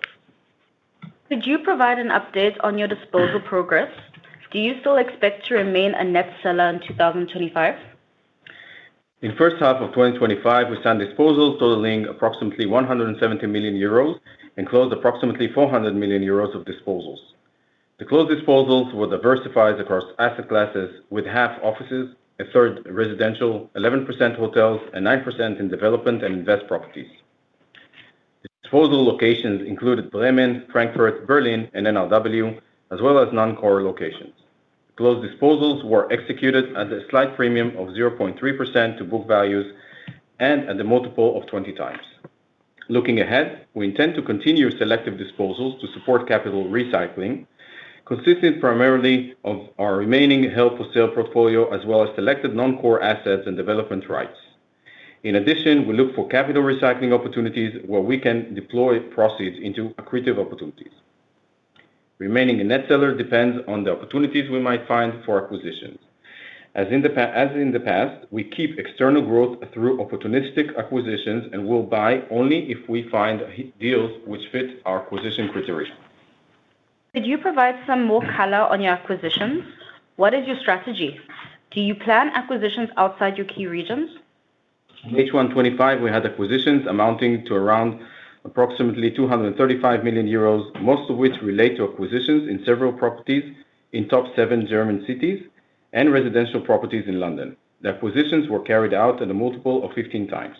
Could you provide an update on your disposal progress? Do you still expect to remain a net seller in 2025? In the first half of 2025, we signed disposals totaling approximately 170 million euros and closed approximately 400 million euros of disposals. The closed disposals were diversified across asset classes with half office properties, a third residential properties, 11% hotel properties, and 9% in development and investment properties. Disposal locations included Bremen, Frankfurt, Berlin, and NRW as well as non-core locations. Closed disposals were executed at a slight premium of 0.3% to book values and at the multiple of 20x. Looking ahead, we intend to continue selective disposals to support capital recycling consisting primarily of our remaining held-for-sale portfolio as well as selected non-core assets and development rights. In addition, we look for capital recycling opportunities where we can deploy proceeds into accretive opportunities. Remaining a net seller depends on the opportunities we might find for acquisitions. As in the past, we keep external growth through opportunistic acquisitions and will buy only if we find deals which fit our acquisition criteria. Could you provide some more color on your acquisitions? What is your strategy? Do you plan acquisitions outside your key regions? In H1 2025 we had acquisitions amounting to approximately 235 million euros, most of which relate to acquisitions in several properties in top seven German cities and residential properties in London. The acquisitions were carried out at a multiple of 15x.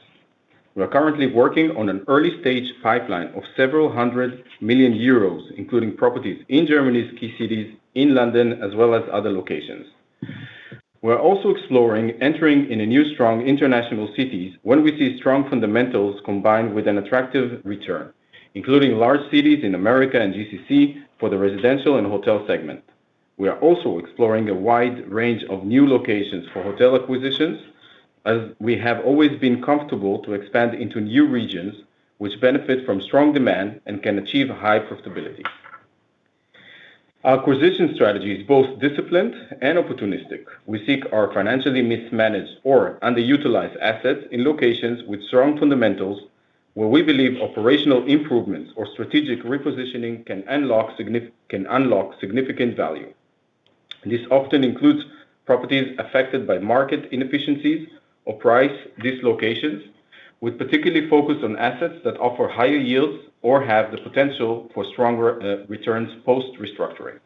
We are currently working on an early stage pipeline of several hundred million euros including properties in Germany's key cities, in London, as well as other locations. We're also exploring entering in new strong international cities when we see strong fundamentals combined with an attractive return, including large cities in America and GCC for the residential and hotel segment. We are also exploring a wide range of new locations for hotel acquisitions as we have always been comfortable to expand into new regions which benefit from strong demand and can achieve high profitability. Our acquisition strategy is both disciplined and opportunistic. We seek out financially mismanaged or underutilized assets in locations with strong fundamentals where we believe operational improvements or strategic repositioning can unlock significant value. This often includes properties affected by market inefficiencies or price dislocations, with particular focus on assets that offer higher yields or have the potential for stronger returns post restructuring.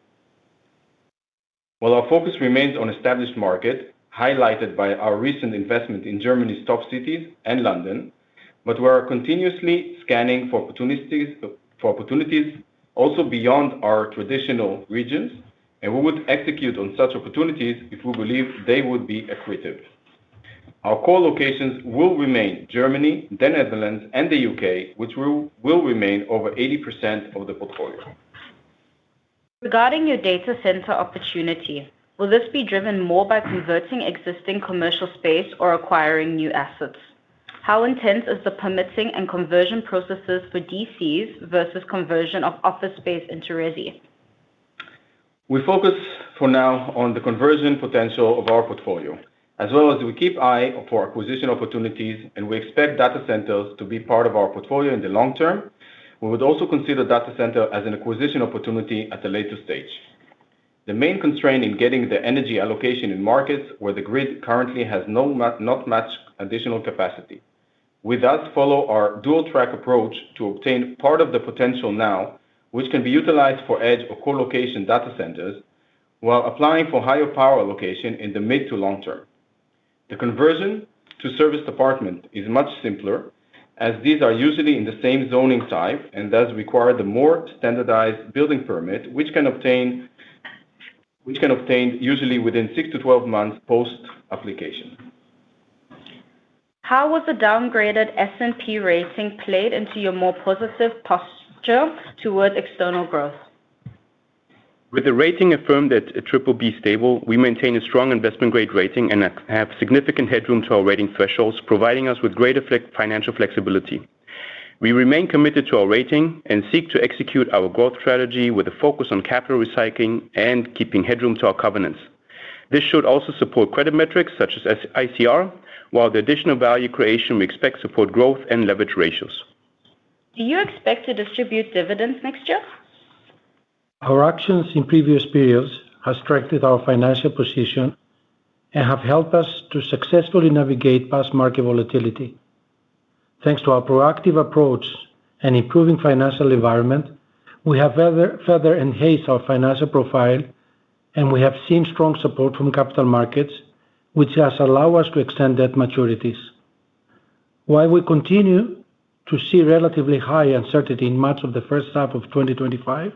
While our focus remains on established markets highlighted by our recent investment in Germany's top cities and London, we are continuously scanning for opportunities also beyond our traditional regions and we would execute on such opportunities if we believe they would be accretive. Our core locations will remain Germany, the Netherlands, and the U.K., which will remain over 80% of the portfolio. Regarding your data center opportunity, will this be driven more by converting existing commercial space or acquiring new assets? How intense is the permitting and conversion process for data centers versus conversion of office space into residential? We focus for now on the conversion potential of our portfolio as well as we keep eye for acquisition opportunities, and we expect data centers to be part of our portfolio in the long term. We would also consider data center as an acquisition opportunity at a later stage. The main constraint is getting the energy allocation in markets where the grid currently has not much additional capacity. We thus follow our dual track approach to obtain part of the potential now, which can be utilized for edge or colocation data centers while applying for higher power allocation in the mid to long term. The conversion to service apartment is much simpler, as these are usually in the same zoning type and thus require the more standardized building permit, which can obtain usually within 6 to 12 months post application. How has a downgraded S&P rating played into your more positive posture towards external growth? With the rating affirmed at BBB Stable, we maintain a strong investment grade rating and have significant headroom to our rating thresholds, providing us with greater financial flexibility. We remain committed to our rating and seek to execute our growth strategy with a focus on capital recycling and keeping headroom to our covenants. This should also support credit metrics such as ICR, while the additional value creation we expect supports growth and leverage ratios. Do you expect to distribute dividends next year? Our actions in previous periods have strengthened our financial position and have helped us to successfully navigate past market volatility. Thanks to our proactive approach and improving financial environment, we have further enhanced our financial profile, and we have seen strong support from capital markets, which has allowed us to extend debt maturities. While we continue to see relatively high uncertainty in March of the first half of 2025,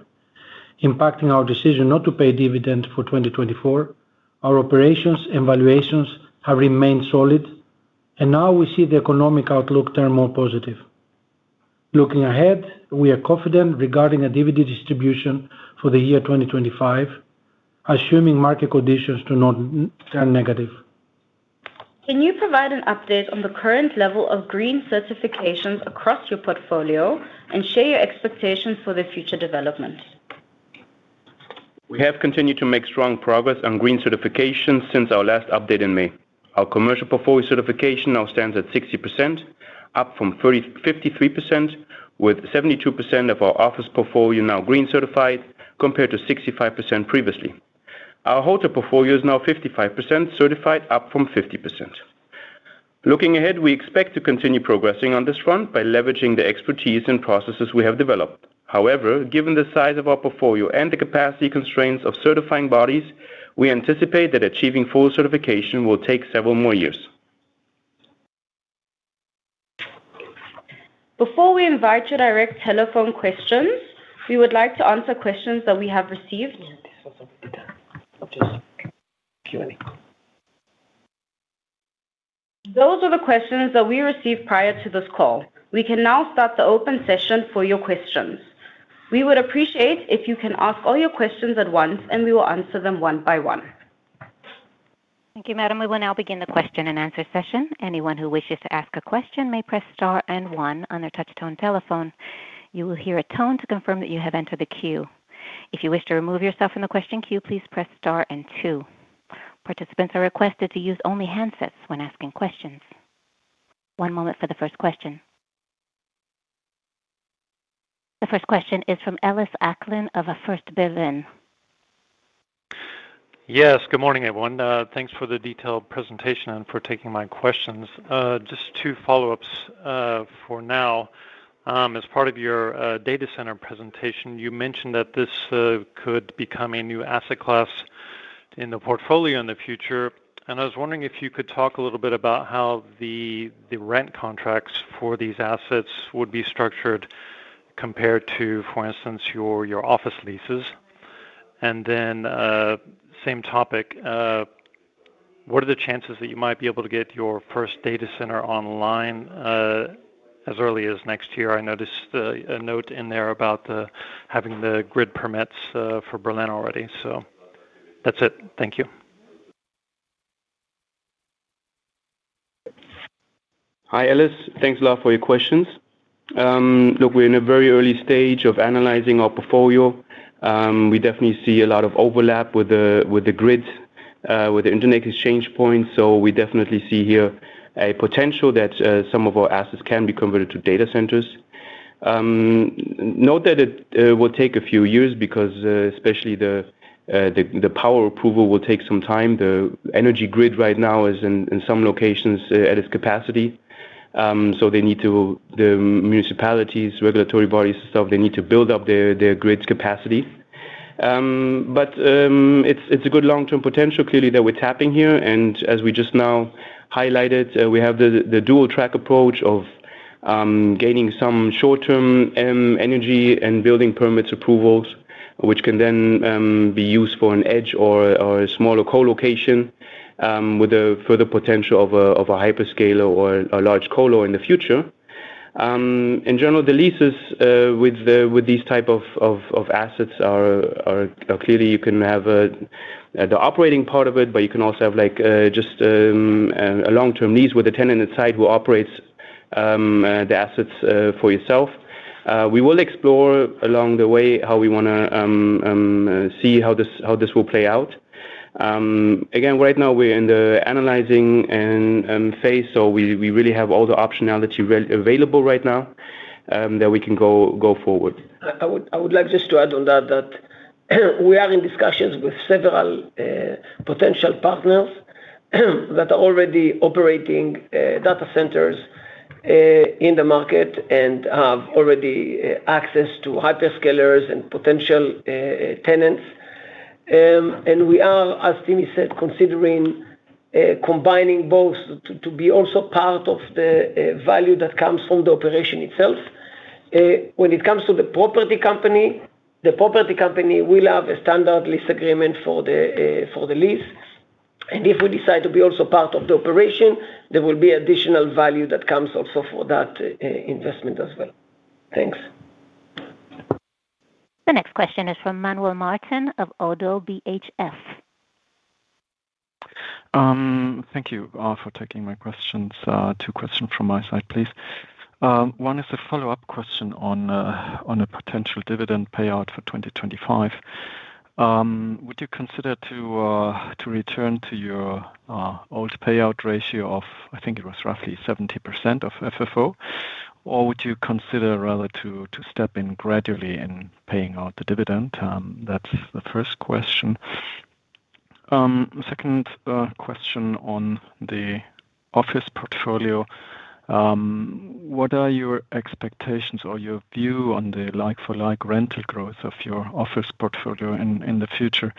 impacting our decision not to pay dividend for 2024, our operations and valuations have remained solid, and now we see the economic outlook turn more positive. Looking ahead, we are confident regarding a dividend distribution for the year 2025, assuming market conditions do not. Can you provide an update on the current level of green certifications across your portfolio and share your expectations for the future development? We have continued to make strong progress on green certifications since our last update in May. Our commercial portfolio certification now stands at 60%, up from 53%, with 72% of our office portfolio now green certified compared to 65% previously. Our hotel portfolio is now 55% certified, up from 50%. Looking ahead, we expect to continue progressing on this front by leveraging the expertise and processes we have developed. However, given the size of our portfolio and the capacity constraints of certifying bodies, we anticipate that achieving full certification will take several more years. Before we invite your direct telephone questions, we would like to answer questions that we have received. Those are the questions that we received prior to this call. We can now start the open session for your questions. We would appreciate if you can ask all your questions at once and we will answer them one by one. Thank you, Madam. We will now begin the question and answer session. Anyone who wishes to ask a question may press STAR and one on their touchtone telephone. You will hear a tone to confirm that you have entered the queue. If you wish to remove yourself from the question queue, please press STAR and two. Participants are requested to use only handsets when asking questions. One moment for the first question. The first question is from Ellis Acklin of First Berlin. Yes, good morning everyone. Thanks for the detailed presentation and for taking my questions. Just two follow ups for now. As part of your data center presentation, you mentioned that this could become a new asset class in the portfolio in the future, and I was wondering if. You could talk a little bit about. How the rent contracts for these assets would be structured compared to, for instance, your office leases. On the same topic, what are the. Chances that you might be able to. Get your first data center online as. Early as next year? I noticed a note in there about having the grid permits for Berlin already. That's it. Thank you. Hi Ellis, thanks a lot for your questions. Look, we're in a very early stage of analyzing our portfolio. We definitely see a lot of overlap with the grids, with the Internet exchange points. We definitely see here a potential that some of our assets can be converted to data centers. Note that it will take a few years because especially the power approval will take some time. The energy grid right now is in some locations at its capacity, so the municipalities, regulatory bodies and such, they need to build up their grid's capacity. It's a good long-term potential clearly that we're tapping here. As we just now highlighted, we have the dual track approach of gaining some short-term energy and building permits approvals, which can then be used for an edge or a smaller colocation, with the further potential of a hyperscaler or a large colo in the future. In general, the leases with these type of assets are clearly you can have the operating part of it, but you can also have just a long-term lease with a tenant inside who operates the assets for yourself. We will explore along the way how we want to see how this will play out. Right now we're in the analyzing phase, so we really have all the optionality available right now that we can go forward. I would like just to add on that we are in discussions with several potential partners that are already operating data centers in the market and have already access to hyperscalers and potential 10 and we are, as Timmy said, considering combining both to be also part of the value that comes from the operation itself when it comes to the property company. The property company will have a standard lease agreement for the lease, and if we decide to be also part of the operation, there will be additional value that comes also for that investment as well. Thanks. The next question is from Manuel Martin of ODDO BHF. Thank you for taking my questions. Two questions from my side, please. One is a follow up question. A potential dividend payout for 2025. Would you consider to return to your Old payout ratio of I think it was roughly 70% of FFO or would you consider rather to step in gradually. Paying out the dividend? That's the first question. Second question on the office portfolio, what? Are your expectations or your view on. The like-for-like rental growth of your office portfolio in the future?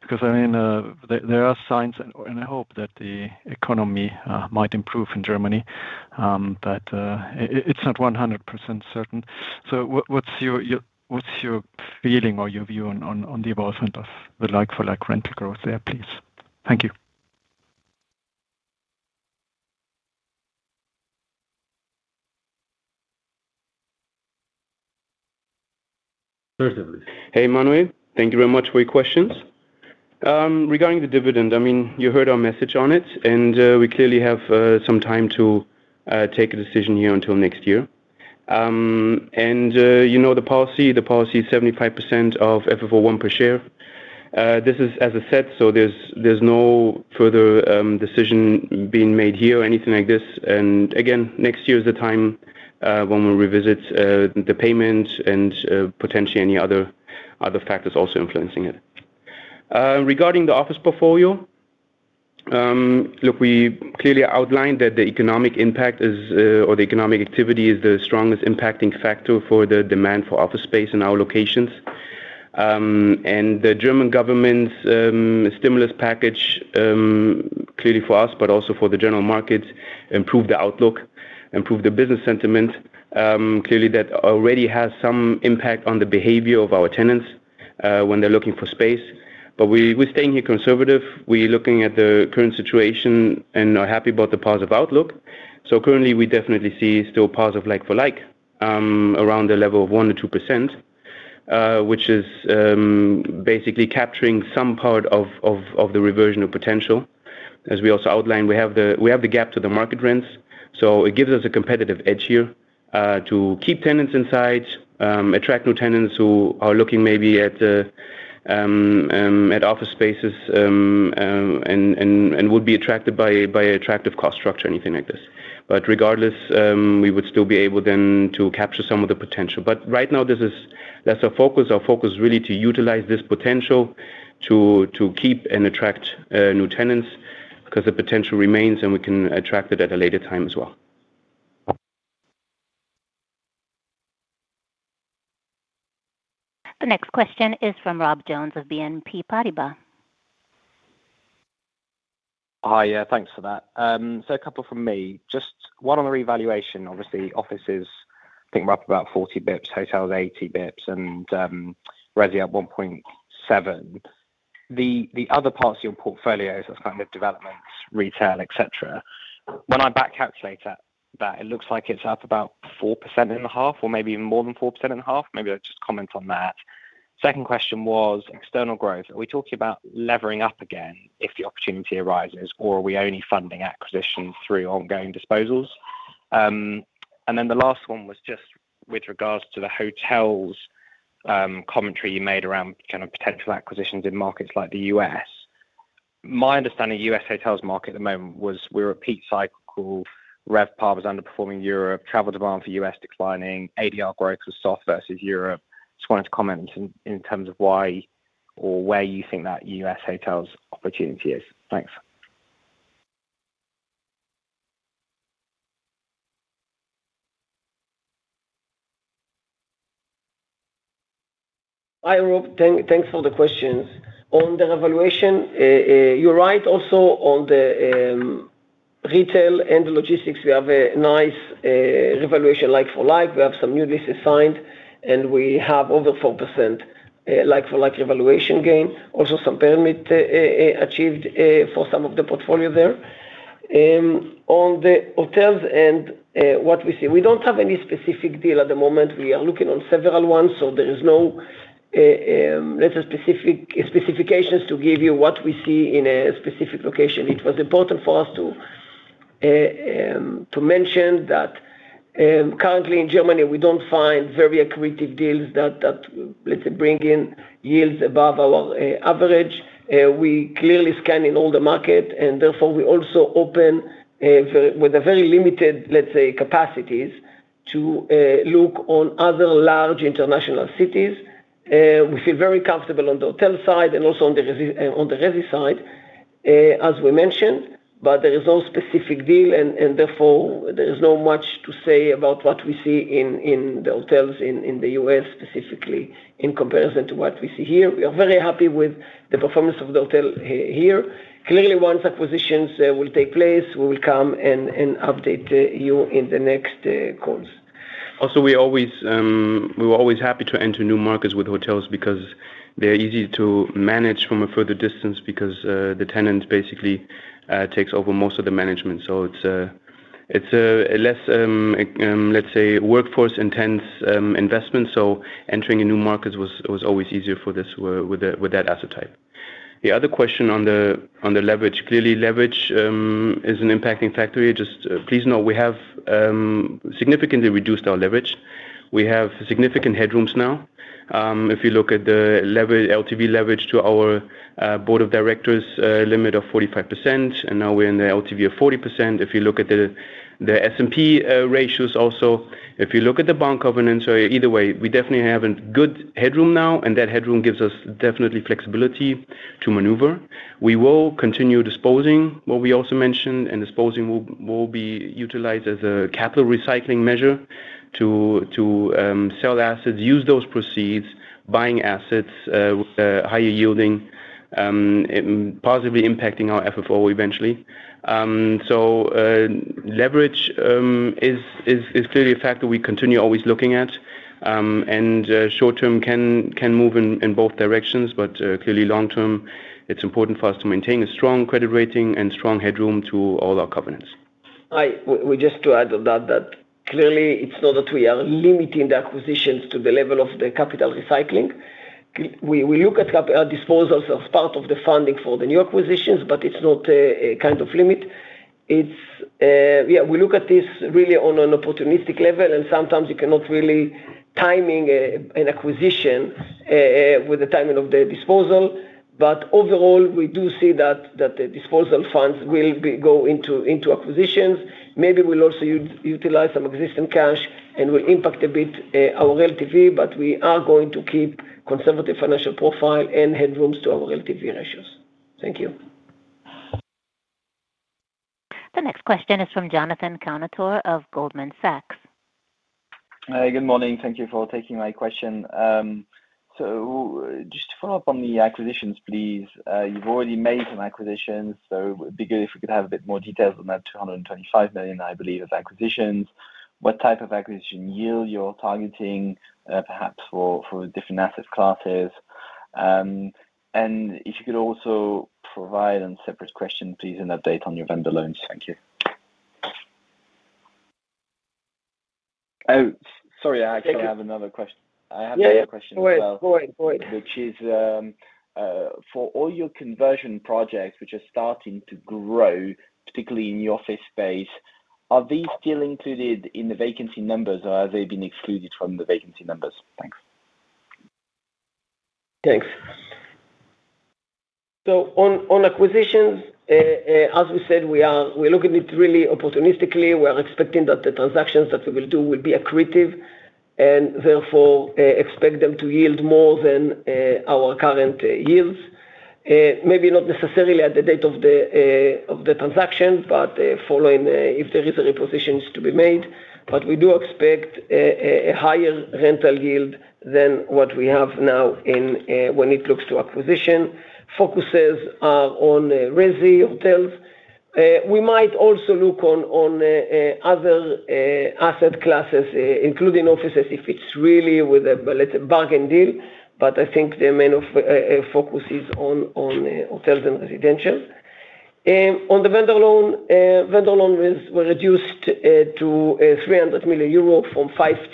Because there are signs. I hope that the economy might improve in Germany, but it's not 100% certain. What's your feeling? Your view on the evolvement of the. Like-for-like rental growth there, please. Thank you. Hey Manuel, thank you very much for your questions regarding the dividend. You heard our message on it and we clearly have some time to take a decision here until next year. You know the policy, the policy is 75% of FFO1 per share. This is as I said so there's no further decision being made here or anything like this. Next year is the time when we revisit the payment and potentially any other factors also influencing it. Regarding the office portfolio, look, we clearly outlined that the economic impact or the economic activity is the strongest impacting factor for the demand for office space in our locations. The German government's stimulus package, clearly for us, but also for the general market, improved the outlook, improved the business sentiment. Clearly that already has some impact on the behavior of our tenants when they're looking for space. We're staying here conservative, we are looking at the current situation and are happy about the positive outlook. Currently we definitely see still positive like-for-like around the level of 1%-2% which is basically capturing some part of the reversion of potential. As we also outlined, we have the gap to the market rents. It gives us a competitive edge here to keep tenants inside, attract new tenants who are looking maybe at office spaces and would be attracted by attractive cost structure, anything like this. Regardless, we would still be able then to capture some of the potential. Right now, this is less of focus. Our focus is really to utilize this potential to keep and attract new tenants because the potential remains and we can attract it at a later time as well. The next question is from Rob Jones of BNP Paribas. Hi, yeah, thanks for that. A couple from me, just one on the revaluation, obviously offices, I think. We're up about 40 bps. Hotels 80 bps and resi up 1.7%. The other parts of your portfolios, that's kind of developments, retail, et cetera. When I back calculate that, it looks like it's up about 4% in the. Half or maybe even more than 4.5%. Maybe I'll just comment on that. Second question was external growth. Are we talking about levering up again if the opportunity arises, or are we only funding acquisitions through ongoing disposals? The last one was just with regards to the hotels commentary you made around kind of potential acquisitions in markets like the U.S. My understanding of the U.S. hotels market at the moment was we were at a peak cycle. RevPAR was underperforming Europe. Travel demand for U.S. declining, ADR growth was soft versus Europe. Just wanted to comment in terms of why or where you think that U.S. hotels opportunity is. Thanks. Hi Rob, thanks for the questions. On the revaluation, you're right. Also on the retail and logistics, we have a nice revaluation. Like for like, we have some new leases signed and we have over 4% like for like revaluation gain. Also, some permit achieved for some of the portfolio there on the hotels. What we see, we don't have any specific deal at the moment. We are looking on several ones. There is no specific specifications to give you what we see in a specific location. It was important for us to mention that currently in Germany we don't find very accretive deals that bring in yields above our average. We are clearly scanning all the market and therefore we also open with very limited, let's say, capacities to look on other large international cities. We feel very comfortable on the hotel side and also on the revi side as we mentioned. There is no specific deal and therefore there is not much to say about what we see in the hotels in the U.S. specifically in comparison to what we see here. We are very happy with the performance of the hotel here. Clearly, once acquisitions will take place, we will come and update you in the next calls. Also, we were always happy to enter new markets with hotel properties because they're easy to manage from a further distance because the tenant basically takes over most of the management. It's less, let's say, workforce-intense investment. Entering a new market was always easier for this with that asset type. The other question on the leverage. Clearly, leverage is an impacting factor. Please know we have significantly reduced our leverage. We have significant headrooms now. If you look at the LTV leverage to our Board of Directors limit of 45% and now we're in the LTV of 40%. If you look at the S&P ratios, also if you look at the bond covenants, either way, we definitely have good headroom now. That headroom gives us definitely flexibility to maneuver. We will continue disposing what we also mentioned and disposing will be utilized as a capital recycling measure to sell assets, use those proceeds buying assets higher yielding, positively impacting our FFO1 eventually. Leverage is clearly a factor we continue always looking at. Short term can move in both directions. Clearly, long term it's important for us to maintain a strong credit rating and strong headroom to all our covenants. Just to add on that, clearly it's not that we are limiting the acquisitions to the level of the capital recycling. We look at disposals as part of the funding for the new acquisitions, but it's not a kind of limit. We look at this really on an opportunistic level. Sometimes you cannot really time an acquisition with the timing of the disposal. Overall, we do see that the disposal funds will go into acquisitions. Maybe we'll also utilize some existing cash and it will impact a bit our relative fee. We are going to keep a conservative financial profile and headrooms to our relative fee ratios. Thank you. The next question is from Jonathan Kownator of Goldman Sachs. Good morning. Thank you for taking my question. Just to follow up on the acquisitions, please. You've already made some acquisitions, so it. Would be good if we could have a bit more details on that 225 million. Million, I believe, of acquisitions. What type of acquisition yield you're targeting, perhaps for different asset classes. If you could also provide a separate question, please, an update on your vendor loans. Thank you. Sorry, I actually have another question. I have another question, which is for all your conversion projects which are starting to grow, particularly in the office space, are these still included in the vacancy? Numbers or have they been excluded from the vacancy numbers? Thanks. Thanks. On acquisitions, as we said, we're looking at it really opportunistically. We're expecting that the transactions that we will do will be accretive and therefore expect them to yield more than our current yields. Maybe not necessarily at the date of the transaction, but following if the position is to be made. We do expect a higher rental yield than what we have now. When it looks to acquisition, focuses are on hotels and residentials. We might also look at other asset classes, including office properties, if it's really with a bargain deal. I think the main focus is on hotel properties and residential properties. On the vendor loan, vendor loan was reduced to 300 million euro from 500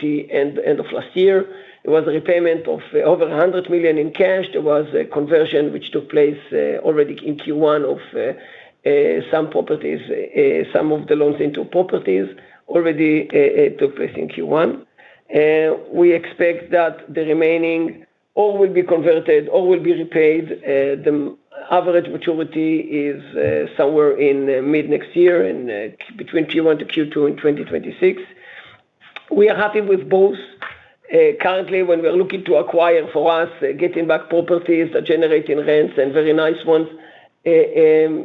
million end of last year. It was a repayment of over 100 million in cash. There was a conversion which took place already in Q1 of some properties. Some of the loans into properties already took place in Q1. We expect that the remaining all will be converted or will be repaid. The average maturity is somewhere in mid next year and between Q1 to Q2 in 2026. We are happy with both currently. When we're looking to acquire, for us, getting back properties generating rents and very nice ones, let's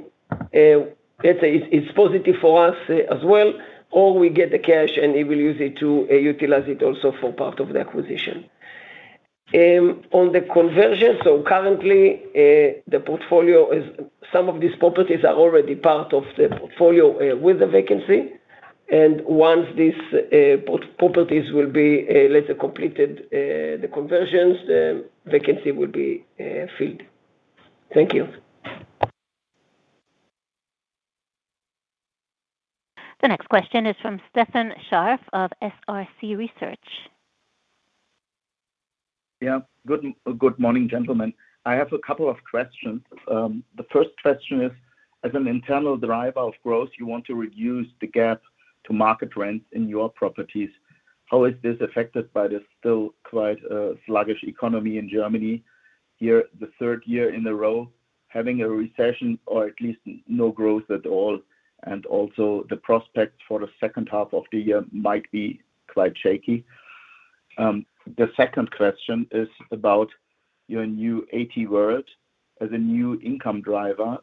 say, it's positive for us as well, or we get the cash and will use it to utilize it also for part of the acquisition on the conversion. Currently, the portfolio is some of these properties are already part of the portfolio with the vacancy. Once these properties will be, let's say, completed, the conversions, the vacancy will be filled. Thank you. The next question is from Stefan Scharff of SRC Research. Good morning, gentlemen. I have a couple of questions. The first question is as an internal. Driver of growth, you want to reduce the gap to market rent in your properties. How is this affected by this still quite sluggish economy in Germany, the third year in a row having a recession or at least no growth at all? Also, the prospects for the second half of the year might be quite shaky. The second question is about your new AT World as a new income driver.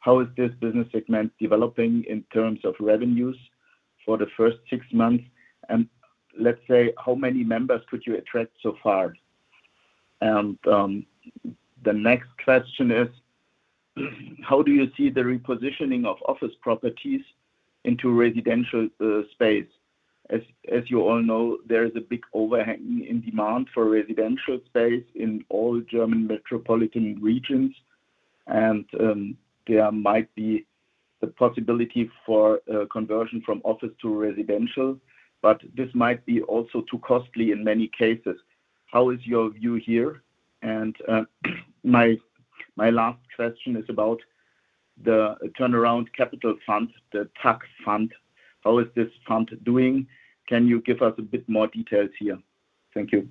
How is this business segment developing in terms of revenues for the first six months, and let's say, how many members could you attract so far? The next question is, how do you see the repositioning of office properties into residential space? As you all know, there is a big overhanging in demand for residential space in all German metropolitan regions. There might be the possibility for conversion from office to residential, but this might be also too costly in many cases. How is your view here? My last question is about the Turnaround Capital Fund, the TAC fund. How is this fund doing? Can you give us a bit more details here? Thank you.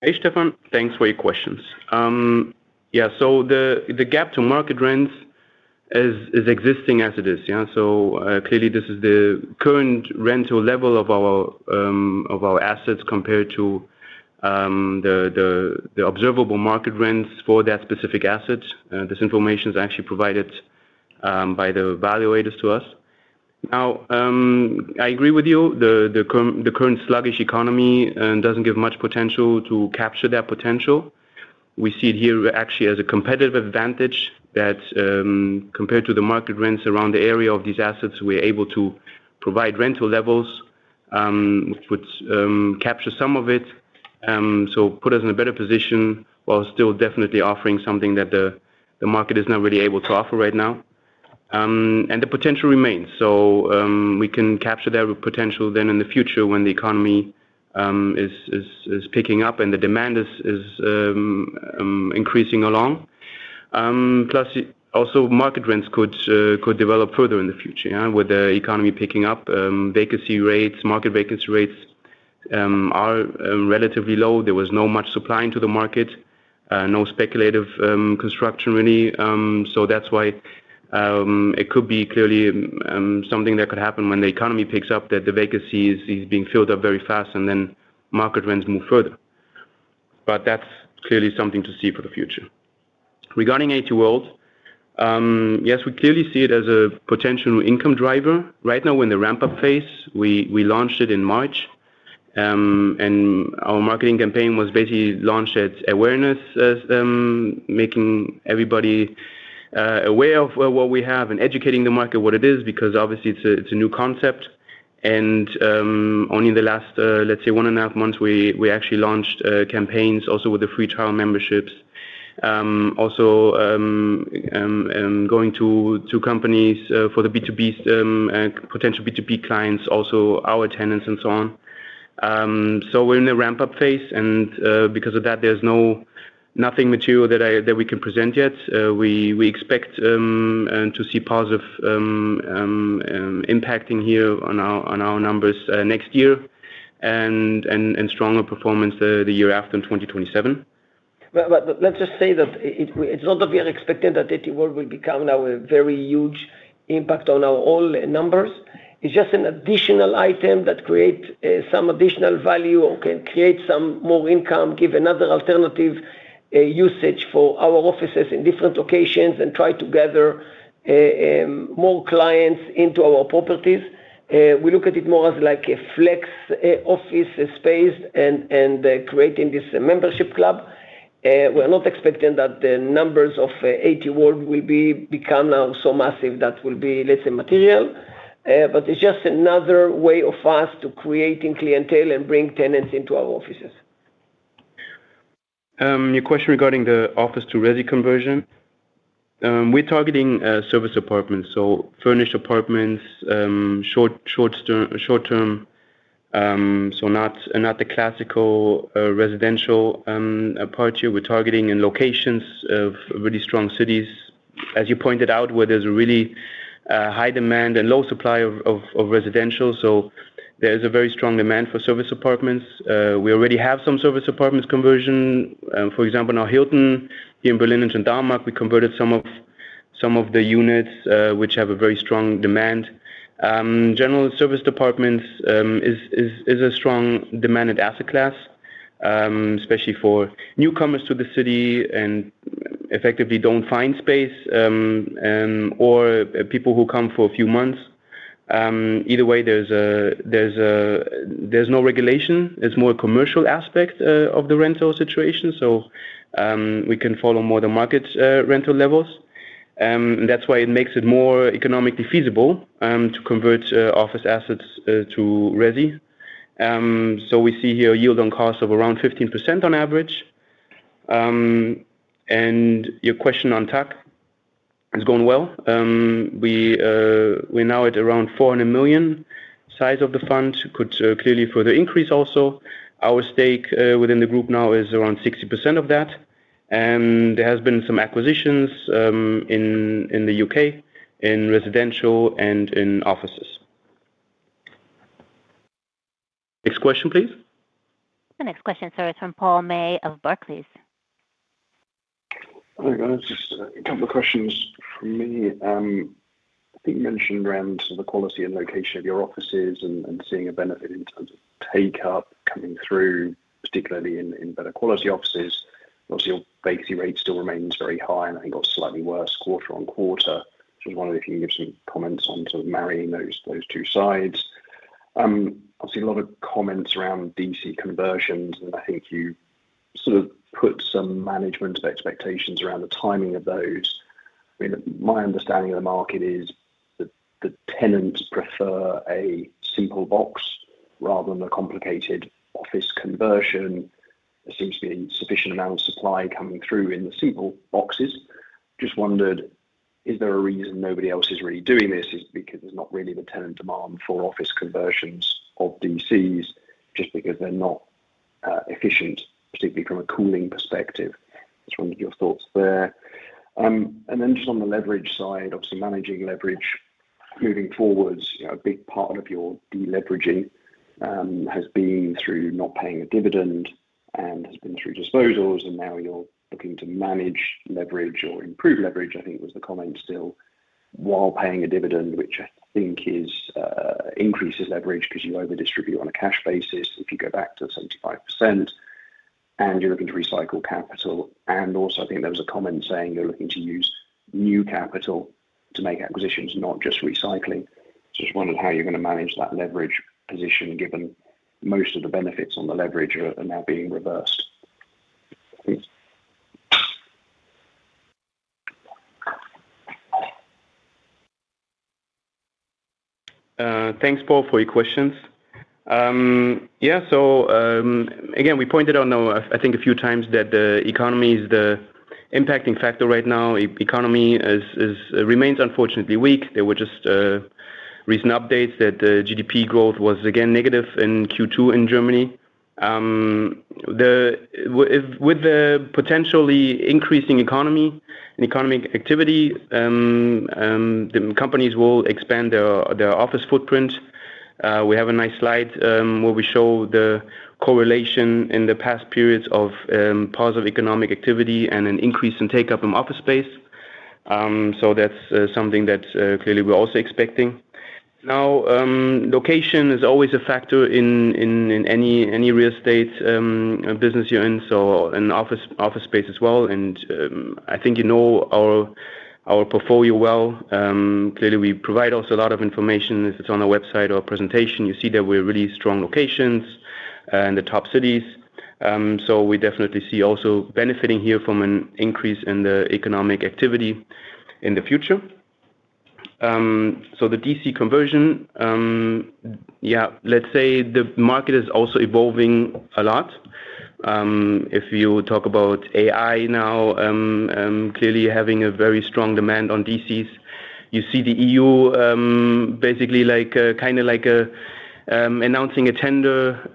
Hey Stefan, thanks for your questions. Yeah, the gap to market rents is existing as it is. Clearly, this is the current rental level of our assets compared to. The. Observable market rents for that specific asset. This information is actually provided by the valuators to us. Now I agree with you, the current sluggish economy doesn't give much potential to capture that potential. We see it here actually as a competitive advantage that compared to the market rents around the area of these assets, we're able to provide rental levels which capture some of it. This puts us in a better position while still definitely offering something that the market is not really able to offer right now, and the potential remains. We can capture their potential then in the future when the economy. Is. Picking up and the demand is increasing along. Plus, also market rents could develop further in the future with the economy picking up vacancy rates. Market vacancy rates are relatively low. There was not much supply into the market, no speculative construction really. That is why it could be clearly something that could happen when the economy picks up, that the vacancy is being filled up very fast and then market trends move further. That is clearly something to see for the future regarding AT World. Yes, we clearly see it as a potential income driver. Right now we're in the ramp-up phase. We launched it in March and our marketing campaign was basically launched at awareness, making everybody aware of what we have and educating the market what it is. Obviously, it's a new concept and only in the last, let's say, one and a half months, we actually launched campaigns also with the free trial memberships, also going to companies for the B2B potential B2B clients, also our tenants and so on. We're in the ramp-up phase and because of that there's nothing material that we can present yet. We expect to see positive impact here on our numbers next year and stronger performance the year after in 2027. Let's just say that it's not that we are expecting that the world will become now a very huge impact on our all numbers. It's just an additional item that creates some additional value or can create some more income, give another alternative usage for our offices in different locations, and try to gather more clients into our properties. We look at it more as like a flex office space and creating this membership club. We're not expecting that the numbers of AT World will become now so massive that will be, let's say, material. It's just another way of us to create in clientele and bring tenants into our offices. Your question regarding the office to resi conversion. We're targeting serviced apartments, so furnished apartments short term, so not the classical residential apartment. We're targeting in locations of really strong cities as you pointed out where there's a really high demand and low supply of residential. There is a very strong demand for serviced apartments. We already have some serviced apartments conversion, for example now Hilton in Berlin, and we converted some of the units which have a very strong demand. General serviced apartments is a strong demanded asset class, especially for newcomers to the city and effectively don't find space or people who come for a few months. Either way, there's no regulation. It's more a commercial aspect of the rental situation, so we can follow more the market rental levels. That's why it makes it more economically feasible to convert office assets to resi. We see here a yield on cost of around 15% on average. Your question on TAC is going well. We're now at around 400 million. Size of the fund could clearly further increase. Also, our stake within the group now is around 60% of that, and there have been some acquisitions in the U.K. in residential and in offices. Next question please. The next question, sir, is from Paul May of Barclays. Hi guys, just a couple of questions from me. I think you mentioned around the quality and location of your offices and seeing a benefit in terms of take up coming through particularly in better quality offices. Obviously your vacancy rate still remains very high, and I think got slightly worse quarter-on-quarter. I wondered if you can get comments on sort of marrying those two sides, obviously a lot of comments around data center conversions, and I think you sort of put some management of expectations around the timing of those. My understanding of the market is the tenants prefer a simple box rather than a complicated office conversion. There seems to be a sufficient amount of supply coming through in the seat boxes. Just wondered, is there a reason nobody else is really doing this? Is it because there's not really the tenant demand for office conversions of data centers just because they're not efficient, particularly from a cooling perspective? Just one of your thoughts there, and then just on the leverage side, obviously managing leverage moving forwards. A big part of your deleveraging has been through not paying a dividend and has been through disposals. Now you're looking to manage leverage or improve leverage. I think was the comment still while paying a dividend, which I think increases leverage because you over distribute on a cash basis if you go back to 75%, and you're looking to recycle capital. Also, I think there was a comment saying you're looking to use new capital to make acquisitions, not just recycling. I just wondered how you're going to manage that leverage position given most of the benefits on the leverage are now being reversed. Thanks, Paul, for your questions. Yeah, so again, we pointed out, I think, a few times that the economy is the impacting factor right now. Economy remains unfortunately weak. There were just recent updates that the GDP growth was again negative in Q2 in Germany. With the potentially increasing economy and economic activity, the companies will expand their office footprint. We have a nice slide where we show the correlation in the past periods of positive economic activity and an increase in take up in office space. That's something that clearly we're also expecting now. Location is always a factor in any real estate business you're in, so in office space as well. I think you know our portfolio well. Clearly, we provide also a lot of information. If it's on our website or presentation, you see that we're really strong locations in the top cities. We definitely see also benefiting here from an increase in the economic activity in the future. The data center conversion, yeah, let's say the market is also evolving a lot. If you talk about AI now, clearly having a very strong demand on data centers. You see the EU basically like kind of like announcing a tender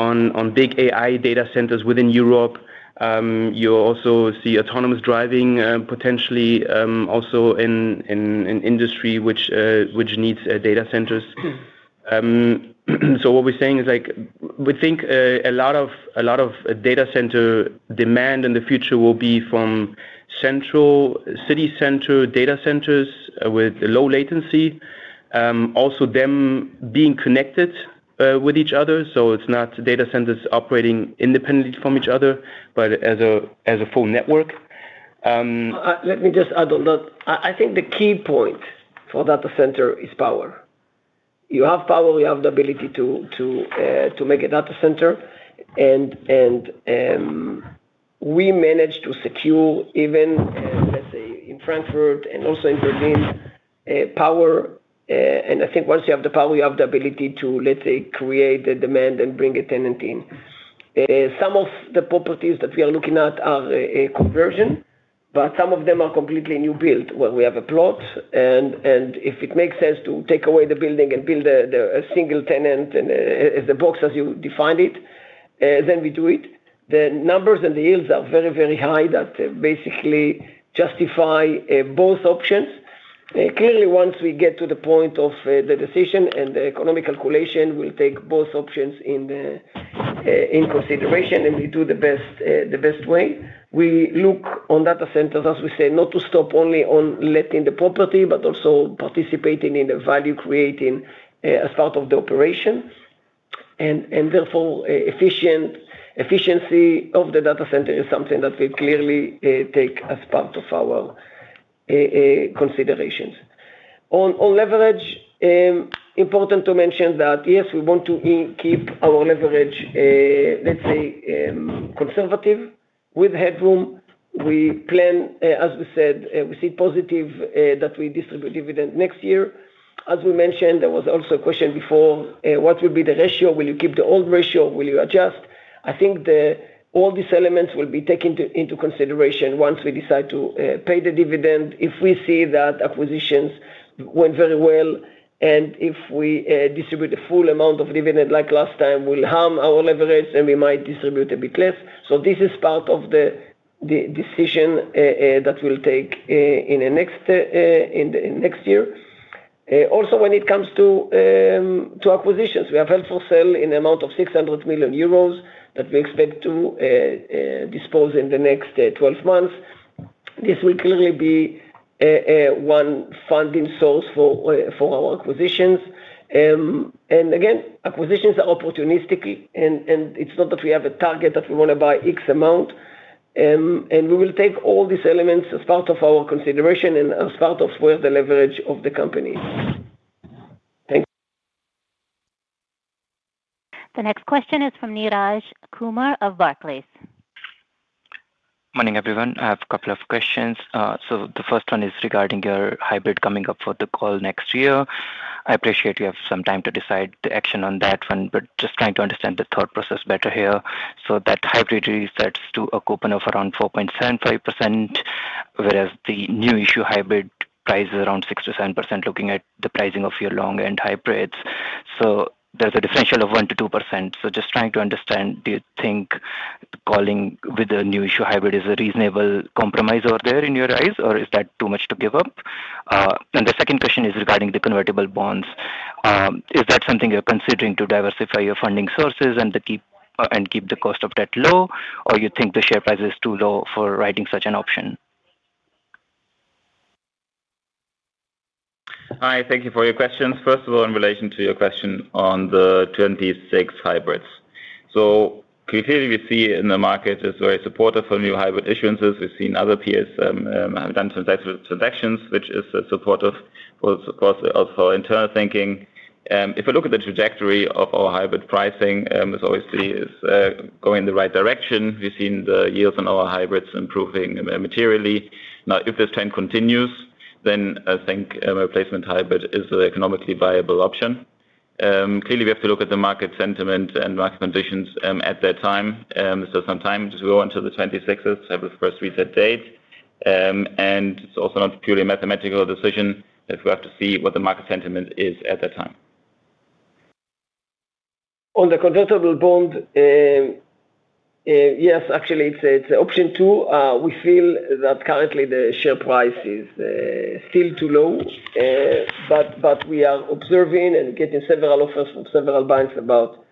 on big AI data centers within Europe. You also see autonomous driving potentially also in an industry which needs data centers. What we're saying is we think a lot of data center demand in the future will be from central city center data centers with low latency, also them being connected with each other. It's not data centers operating independently from each other, but as a full network. Let me just add on that. I think the key point of data center is power. You have power, you have the ability to make a data center. We manage to secure even, let's say, in Frankfurt and also in Berlin, power. I think once you have the power, you have the ability to, let's say, create the demand and bring a tenant in. Some of the properties that we are looking at are a conversion, but some of them are completely new build where we have a plot. If it makes sense to take away the building and build a single tenant as the box as you defined it, then we do it. The numbers and the yields are very, very high. That basically justifies both options. Clearly, once we get to the point of the decision and the economic calculation, we will take both options into consideration and we do the best. The best way we look on data centers, as we say, is not to stop only on letting the property, but also participating in the value creating as part of the operation, and therefore efficiency of the data center is something that we will clearly take as part of our considerations on leverage. Important to mention that yes, we want to keep our leverage, let's say, conservative with headroom. We plan, as we said, we see positive that we distribute dividend next year. As we mentioned, there was also a question before. What will be the ratio? Will you keep the old ratio? Will you adjust? I think all these elements will be taken into consideration once we decide to pay the dividend. If we see that acquisitions went very well and if we distribute a full amount of dividend like last time, will harm our leverage and we might distribute a bit less. This is part of the decision that we'll take in the next year. Also, when it comes to acquisitions, we have held for sale in the amount of 600 million euros that we expect to dispose in the next 12 months. This will clearly be one funding source for our acquisitions. Again, acquisitions are opportunistic. It is not that we have a target that we want to buy X amount. We will take all these elements as part of our consideration and as part of where the leverage of the company. The next question is from Neeraj Kumar of Barclays. Morning everyone. I have a couple of questions. The first one is regarding your hybrid coming up for the call next year. I appreciate you have some time to decide the action on that one. I'm just trying to understand the thought process better here. That hybrid resets to a coupon of around 4.75% whereas the new issue hybrid price is around 6%-7%. Looking at the pricing of your long end hybrids, there's a differential of 1%-2%. I'm just trying to understand, do you think calling with the new issue hybrid is a reasonable compromise over there in your eyes or is that too much to give up? The second question is regarding the convertible bonds. Is that something you're considering to diversify your funding sources and keep the cost of debt low or do you think the share price is too low for writing such an option? Hi, thank you for your questions. First of all, in relation to your. Question on the 2026 hybrids. So. Clearly, we see the market is very supportive for new hybrid issuances. We've seen other peers have done transactions, which is supportive of our internal thinking. If I look at the trajectory of our hybrid pricing, obviously it is going in the right direction. We've seen the yields on our hybrids improving materially. Now, if this trend continues, then I think replacement hybrid is an economically viable option. Clearly, we have to look at the. Market sentiment and market conditions at that time. There is some time to go until the 2026 first reset date. It's also not a purely mathematical decision. We have to see what the. Market sentiment is at that time. On the convertible bond, yes, actually it's option two. We feel that currently the share price is still too low. We are observing and getting several offers from several banks about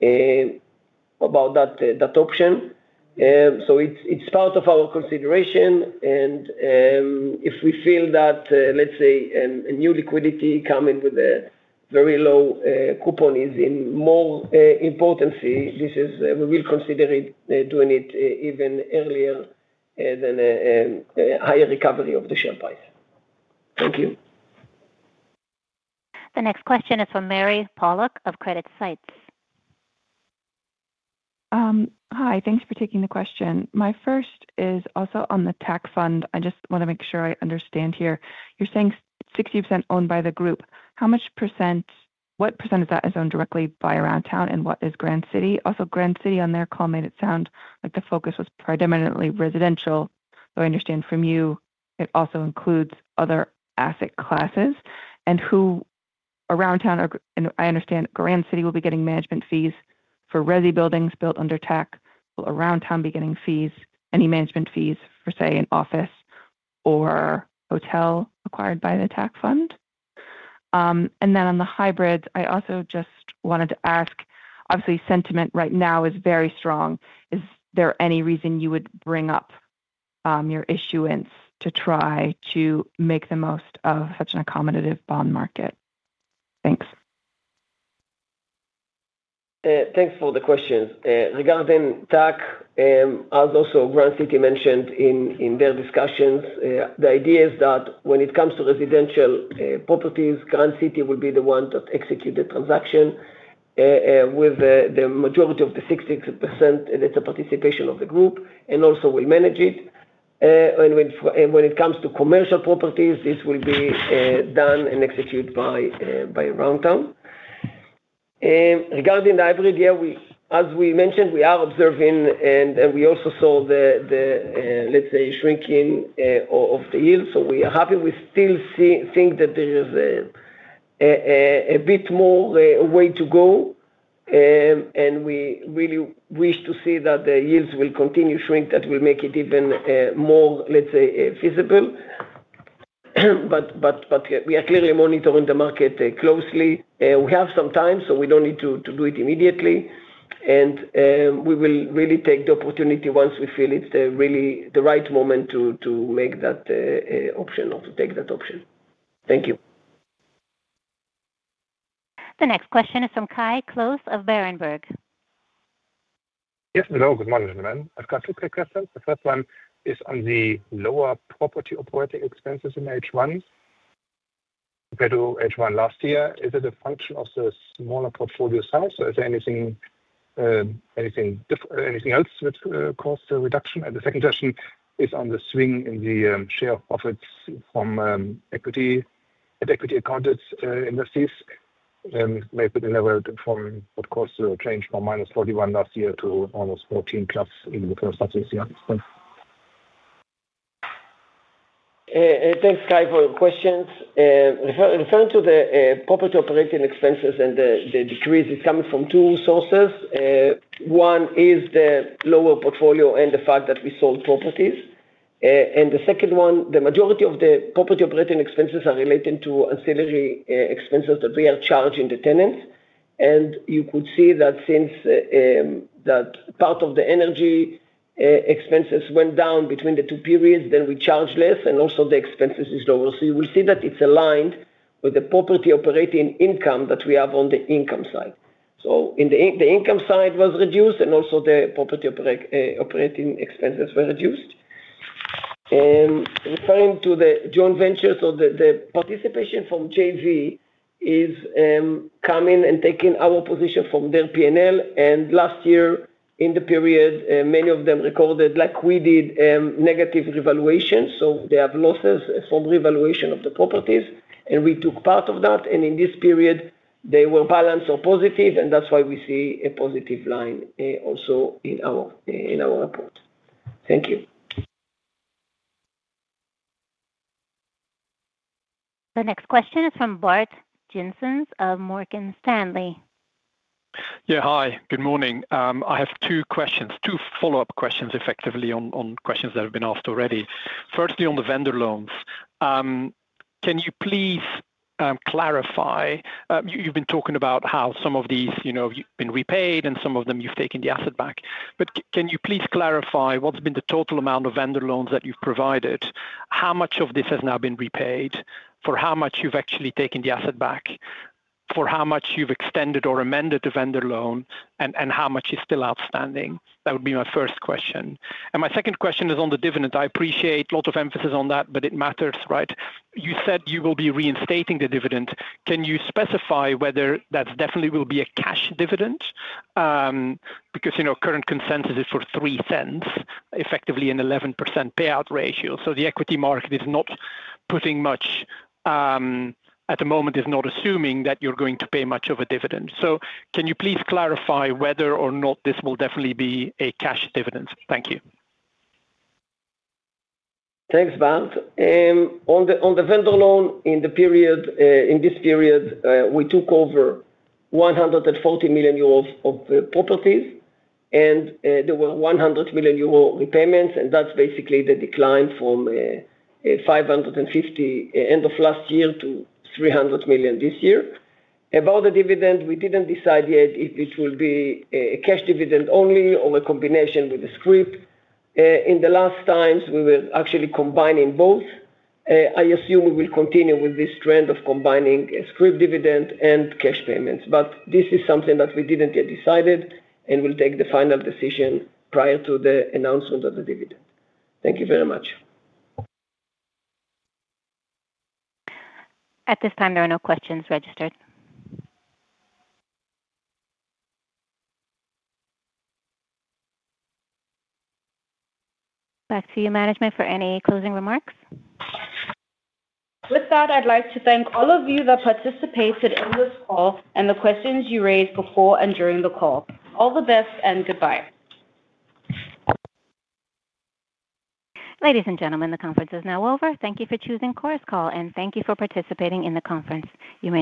that option. It's part of our consideration. If we feel that, let's say, a new liquidity coming with a very low coupon is in more importance, we will consider it, doing it even earlier than higher recovery of the champagne. Thank you. The next question is from Mary Pollock of CreditSights. Hi, thanks for taking the question. My first is also on the TAC fund. I just want to make sure I understand here you're saying 60% owned by the group. How much percent? What percent of that is owned directly by Aroundtown and what is Grand City? Also, Grand City on their call made it sound like the focus was predominantly residential though I understand from you it also includes other asset classes. Who at Aroundtown and I understand Grand City will be getting management fees for resi buildings built under TAC, will Aroundtown be getting any management fees for, say, an office or hotel acquired by the TAC fund? On the Hybrids, I also just wanted to ask, obviously sentiment right now is very strong. Is there any reason you would bring up your issuance to try to make the most of such an accommodative bond market? Thanks. Thanks for the questions regarding TAC. As also Grand City Properties mentioned in their discussions, the idea is that when it comes to residential properties, Grand City Properties will be the one that executes the transaction with the majority of the 60%. That's a participation of the group and also we manage it. When it comes to commercial properties, this will be done and executed by Aroundtown. Regarding the hybrid, yeah, as we mentioned, we are observing and we also saw the, let's say, shrinking of the yield. We are happy. We still think that there is a bit more way to go and we really wish to see that the yields will continue to shrink. That will make it even more, let's say, feasible. We are here monitoring the market closely. We have some time, so we don't need to do it immediately and we will really take the opportunity once we feel it's really the right moment to make that option or to take that option. Thank you. The next question is from Kai Close of Berenberg. Yes, hello. Good morning, gentlemen. I've got two quick questions. The first one is on the lower property operating expenses in H1 compared to H1 last year. Is it a function of the smaller. Portfolio size or is there. Anything else which caused the reduction at the second? Session is on the swing in the. Share profits from equity and equity accounted. Industries may have been leveled from, of course, changed from -41 last year to almost 14 clubs in the first 30 years. Thanks, Kai, for your questions. Referring to the property operating expenses and the decrease, it's coming from two sources. One is the lower portfolio and the fact that we sold properties. The second one, the majority of the property operating expenses are related to ancillary expenses that we are charging the tenants. You could see that since that part of the energy expenses went down between the two periods, we charge less and also the expenses are lower. You will see that it's aligned with the property operating income that we have on the income side. The income side was reduced and also the property operating expenses were reduced. Referring to the joint ventures or the participation from JV, it's coming and taking our position from their P&L. Last year in the period, many of them recorded, like we did, negative revaluation. They have losses from revaluation of the property and we took part of that. In this period, they were balanced or positive. That's why we see a positive line also in our report. Thank you. The next question is from Bart Gysens of Morgan Stanley. Yeah, hi, good morning. I have two questions, two follow up questions effectively on questions that have been asked already. Firstly, on the vendor loans, can you please clarify? You've been talking about how some of these have been repaid and some of them you've taken the asset back. Can you please clarify what's been the total amount of vendor loans that you've provided, how much of this has now been repaid for, how much you've actually taken the asset back for, how much you've extended or amended the vendor loan, and how much is still outstanding? That would be my first question and my second question is on the dividend. I appreciate a lot of emphasis on that, but it matters, right? You said you will be reinstating this dividend. Can you specify whether that definitely will be a cash dividend? Because you know, current consensus is for $0.03, effectively an 11% payout ratio. The equity market is not putting much at the moment, is not assuming that you're going to pay much of a dividend. Can you please clarify whether or not this will definitely be a cash dividend? Thank you. Thanks, Barak. On the vendor loan, in this period we took over 140 million euros of properties and there were 100 million euro repayments, and that's basically the decline from 550 million end of last year to 300 million this year. About the dividend, we didn't decide yet if it will be a cash dividend only or a combination with the scrip. In the last times, we were actually combining both. I assume we will continue with this trend of combining scrip dividend and cash payments, but this is something that we didn't yet decide and we'll take the final decision prior to the announcement of the dividend. Thank you very much. At this time there are no questions registered. Back to you management for any closing remarks. With that, I'd like to thank all of you that participated in this call and the questions you raised before and during the call. All the best and goodbye. Ladies and gentlemen, the conference is now over. Thank you for choosing Chorus Call and thank you for participating in the conference. You may.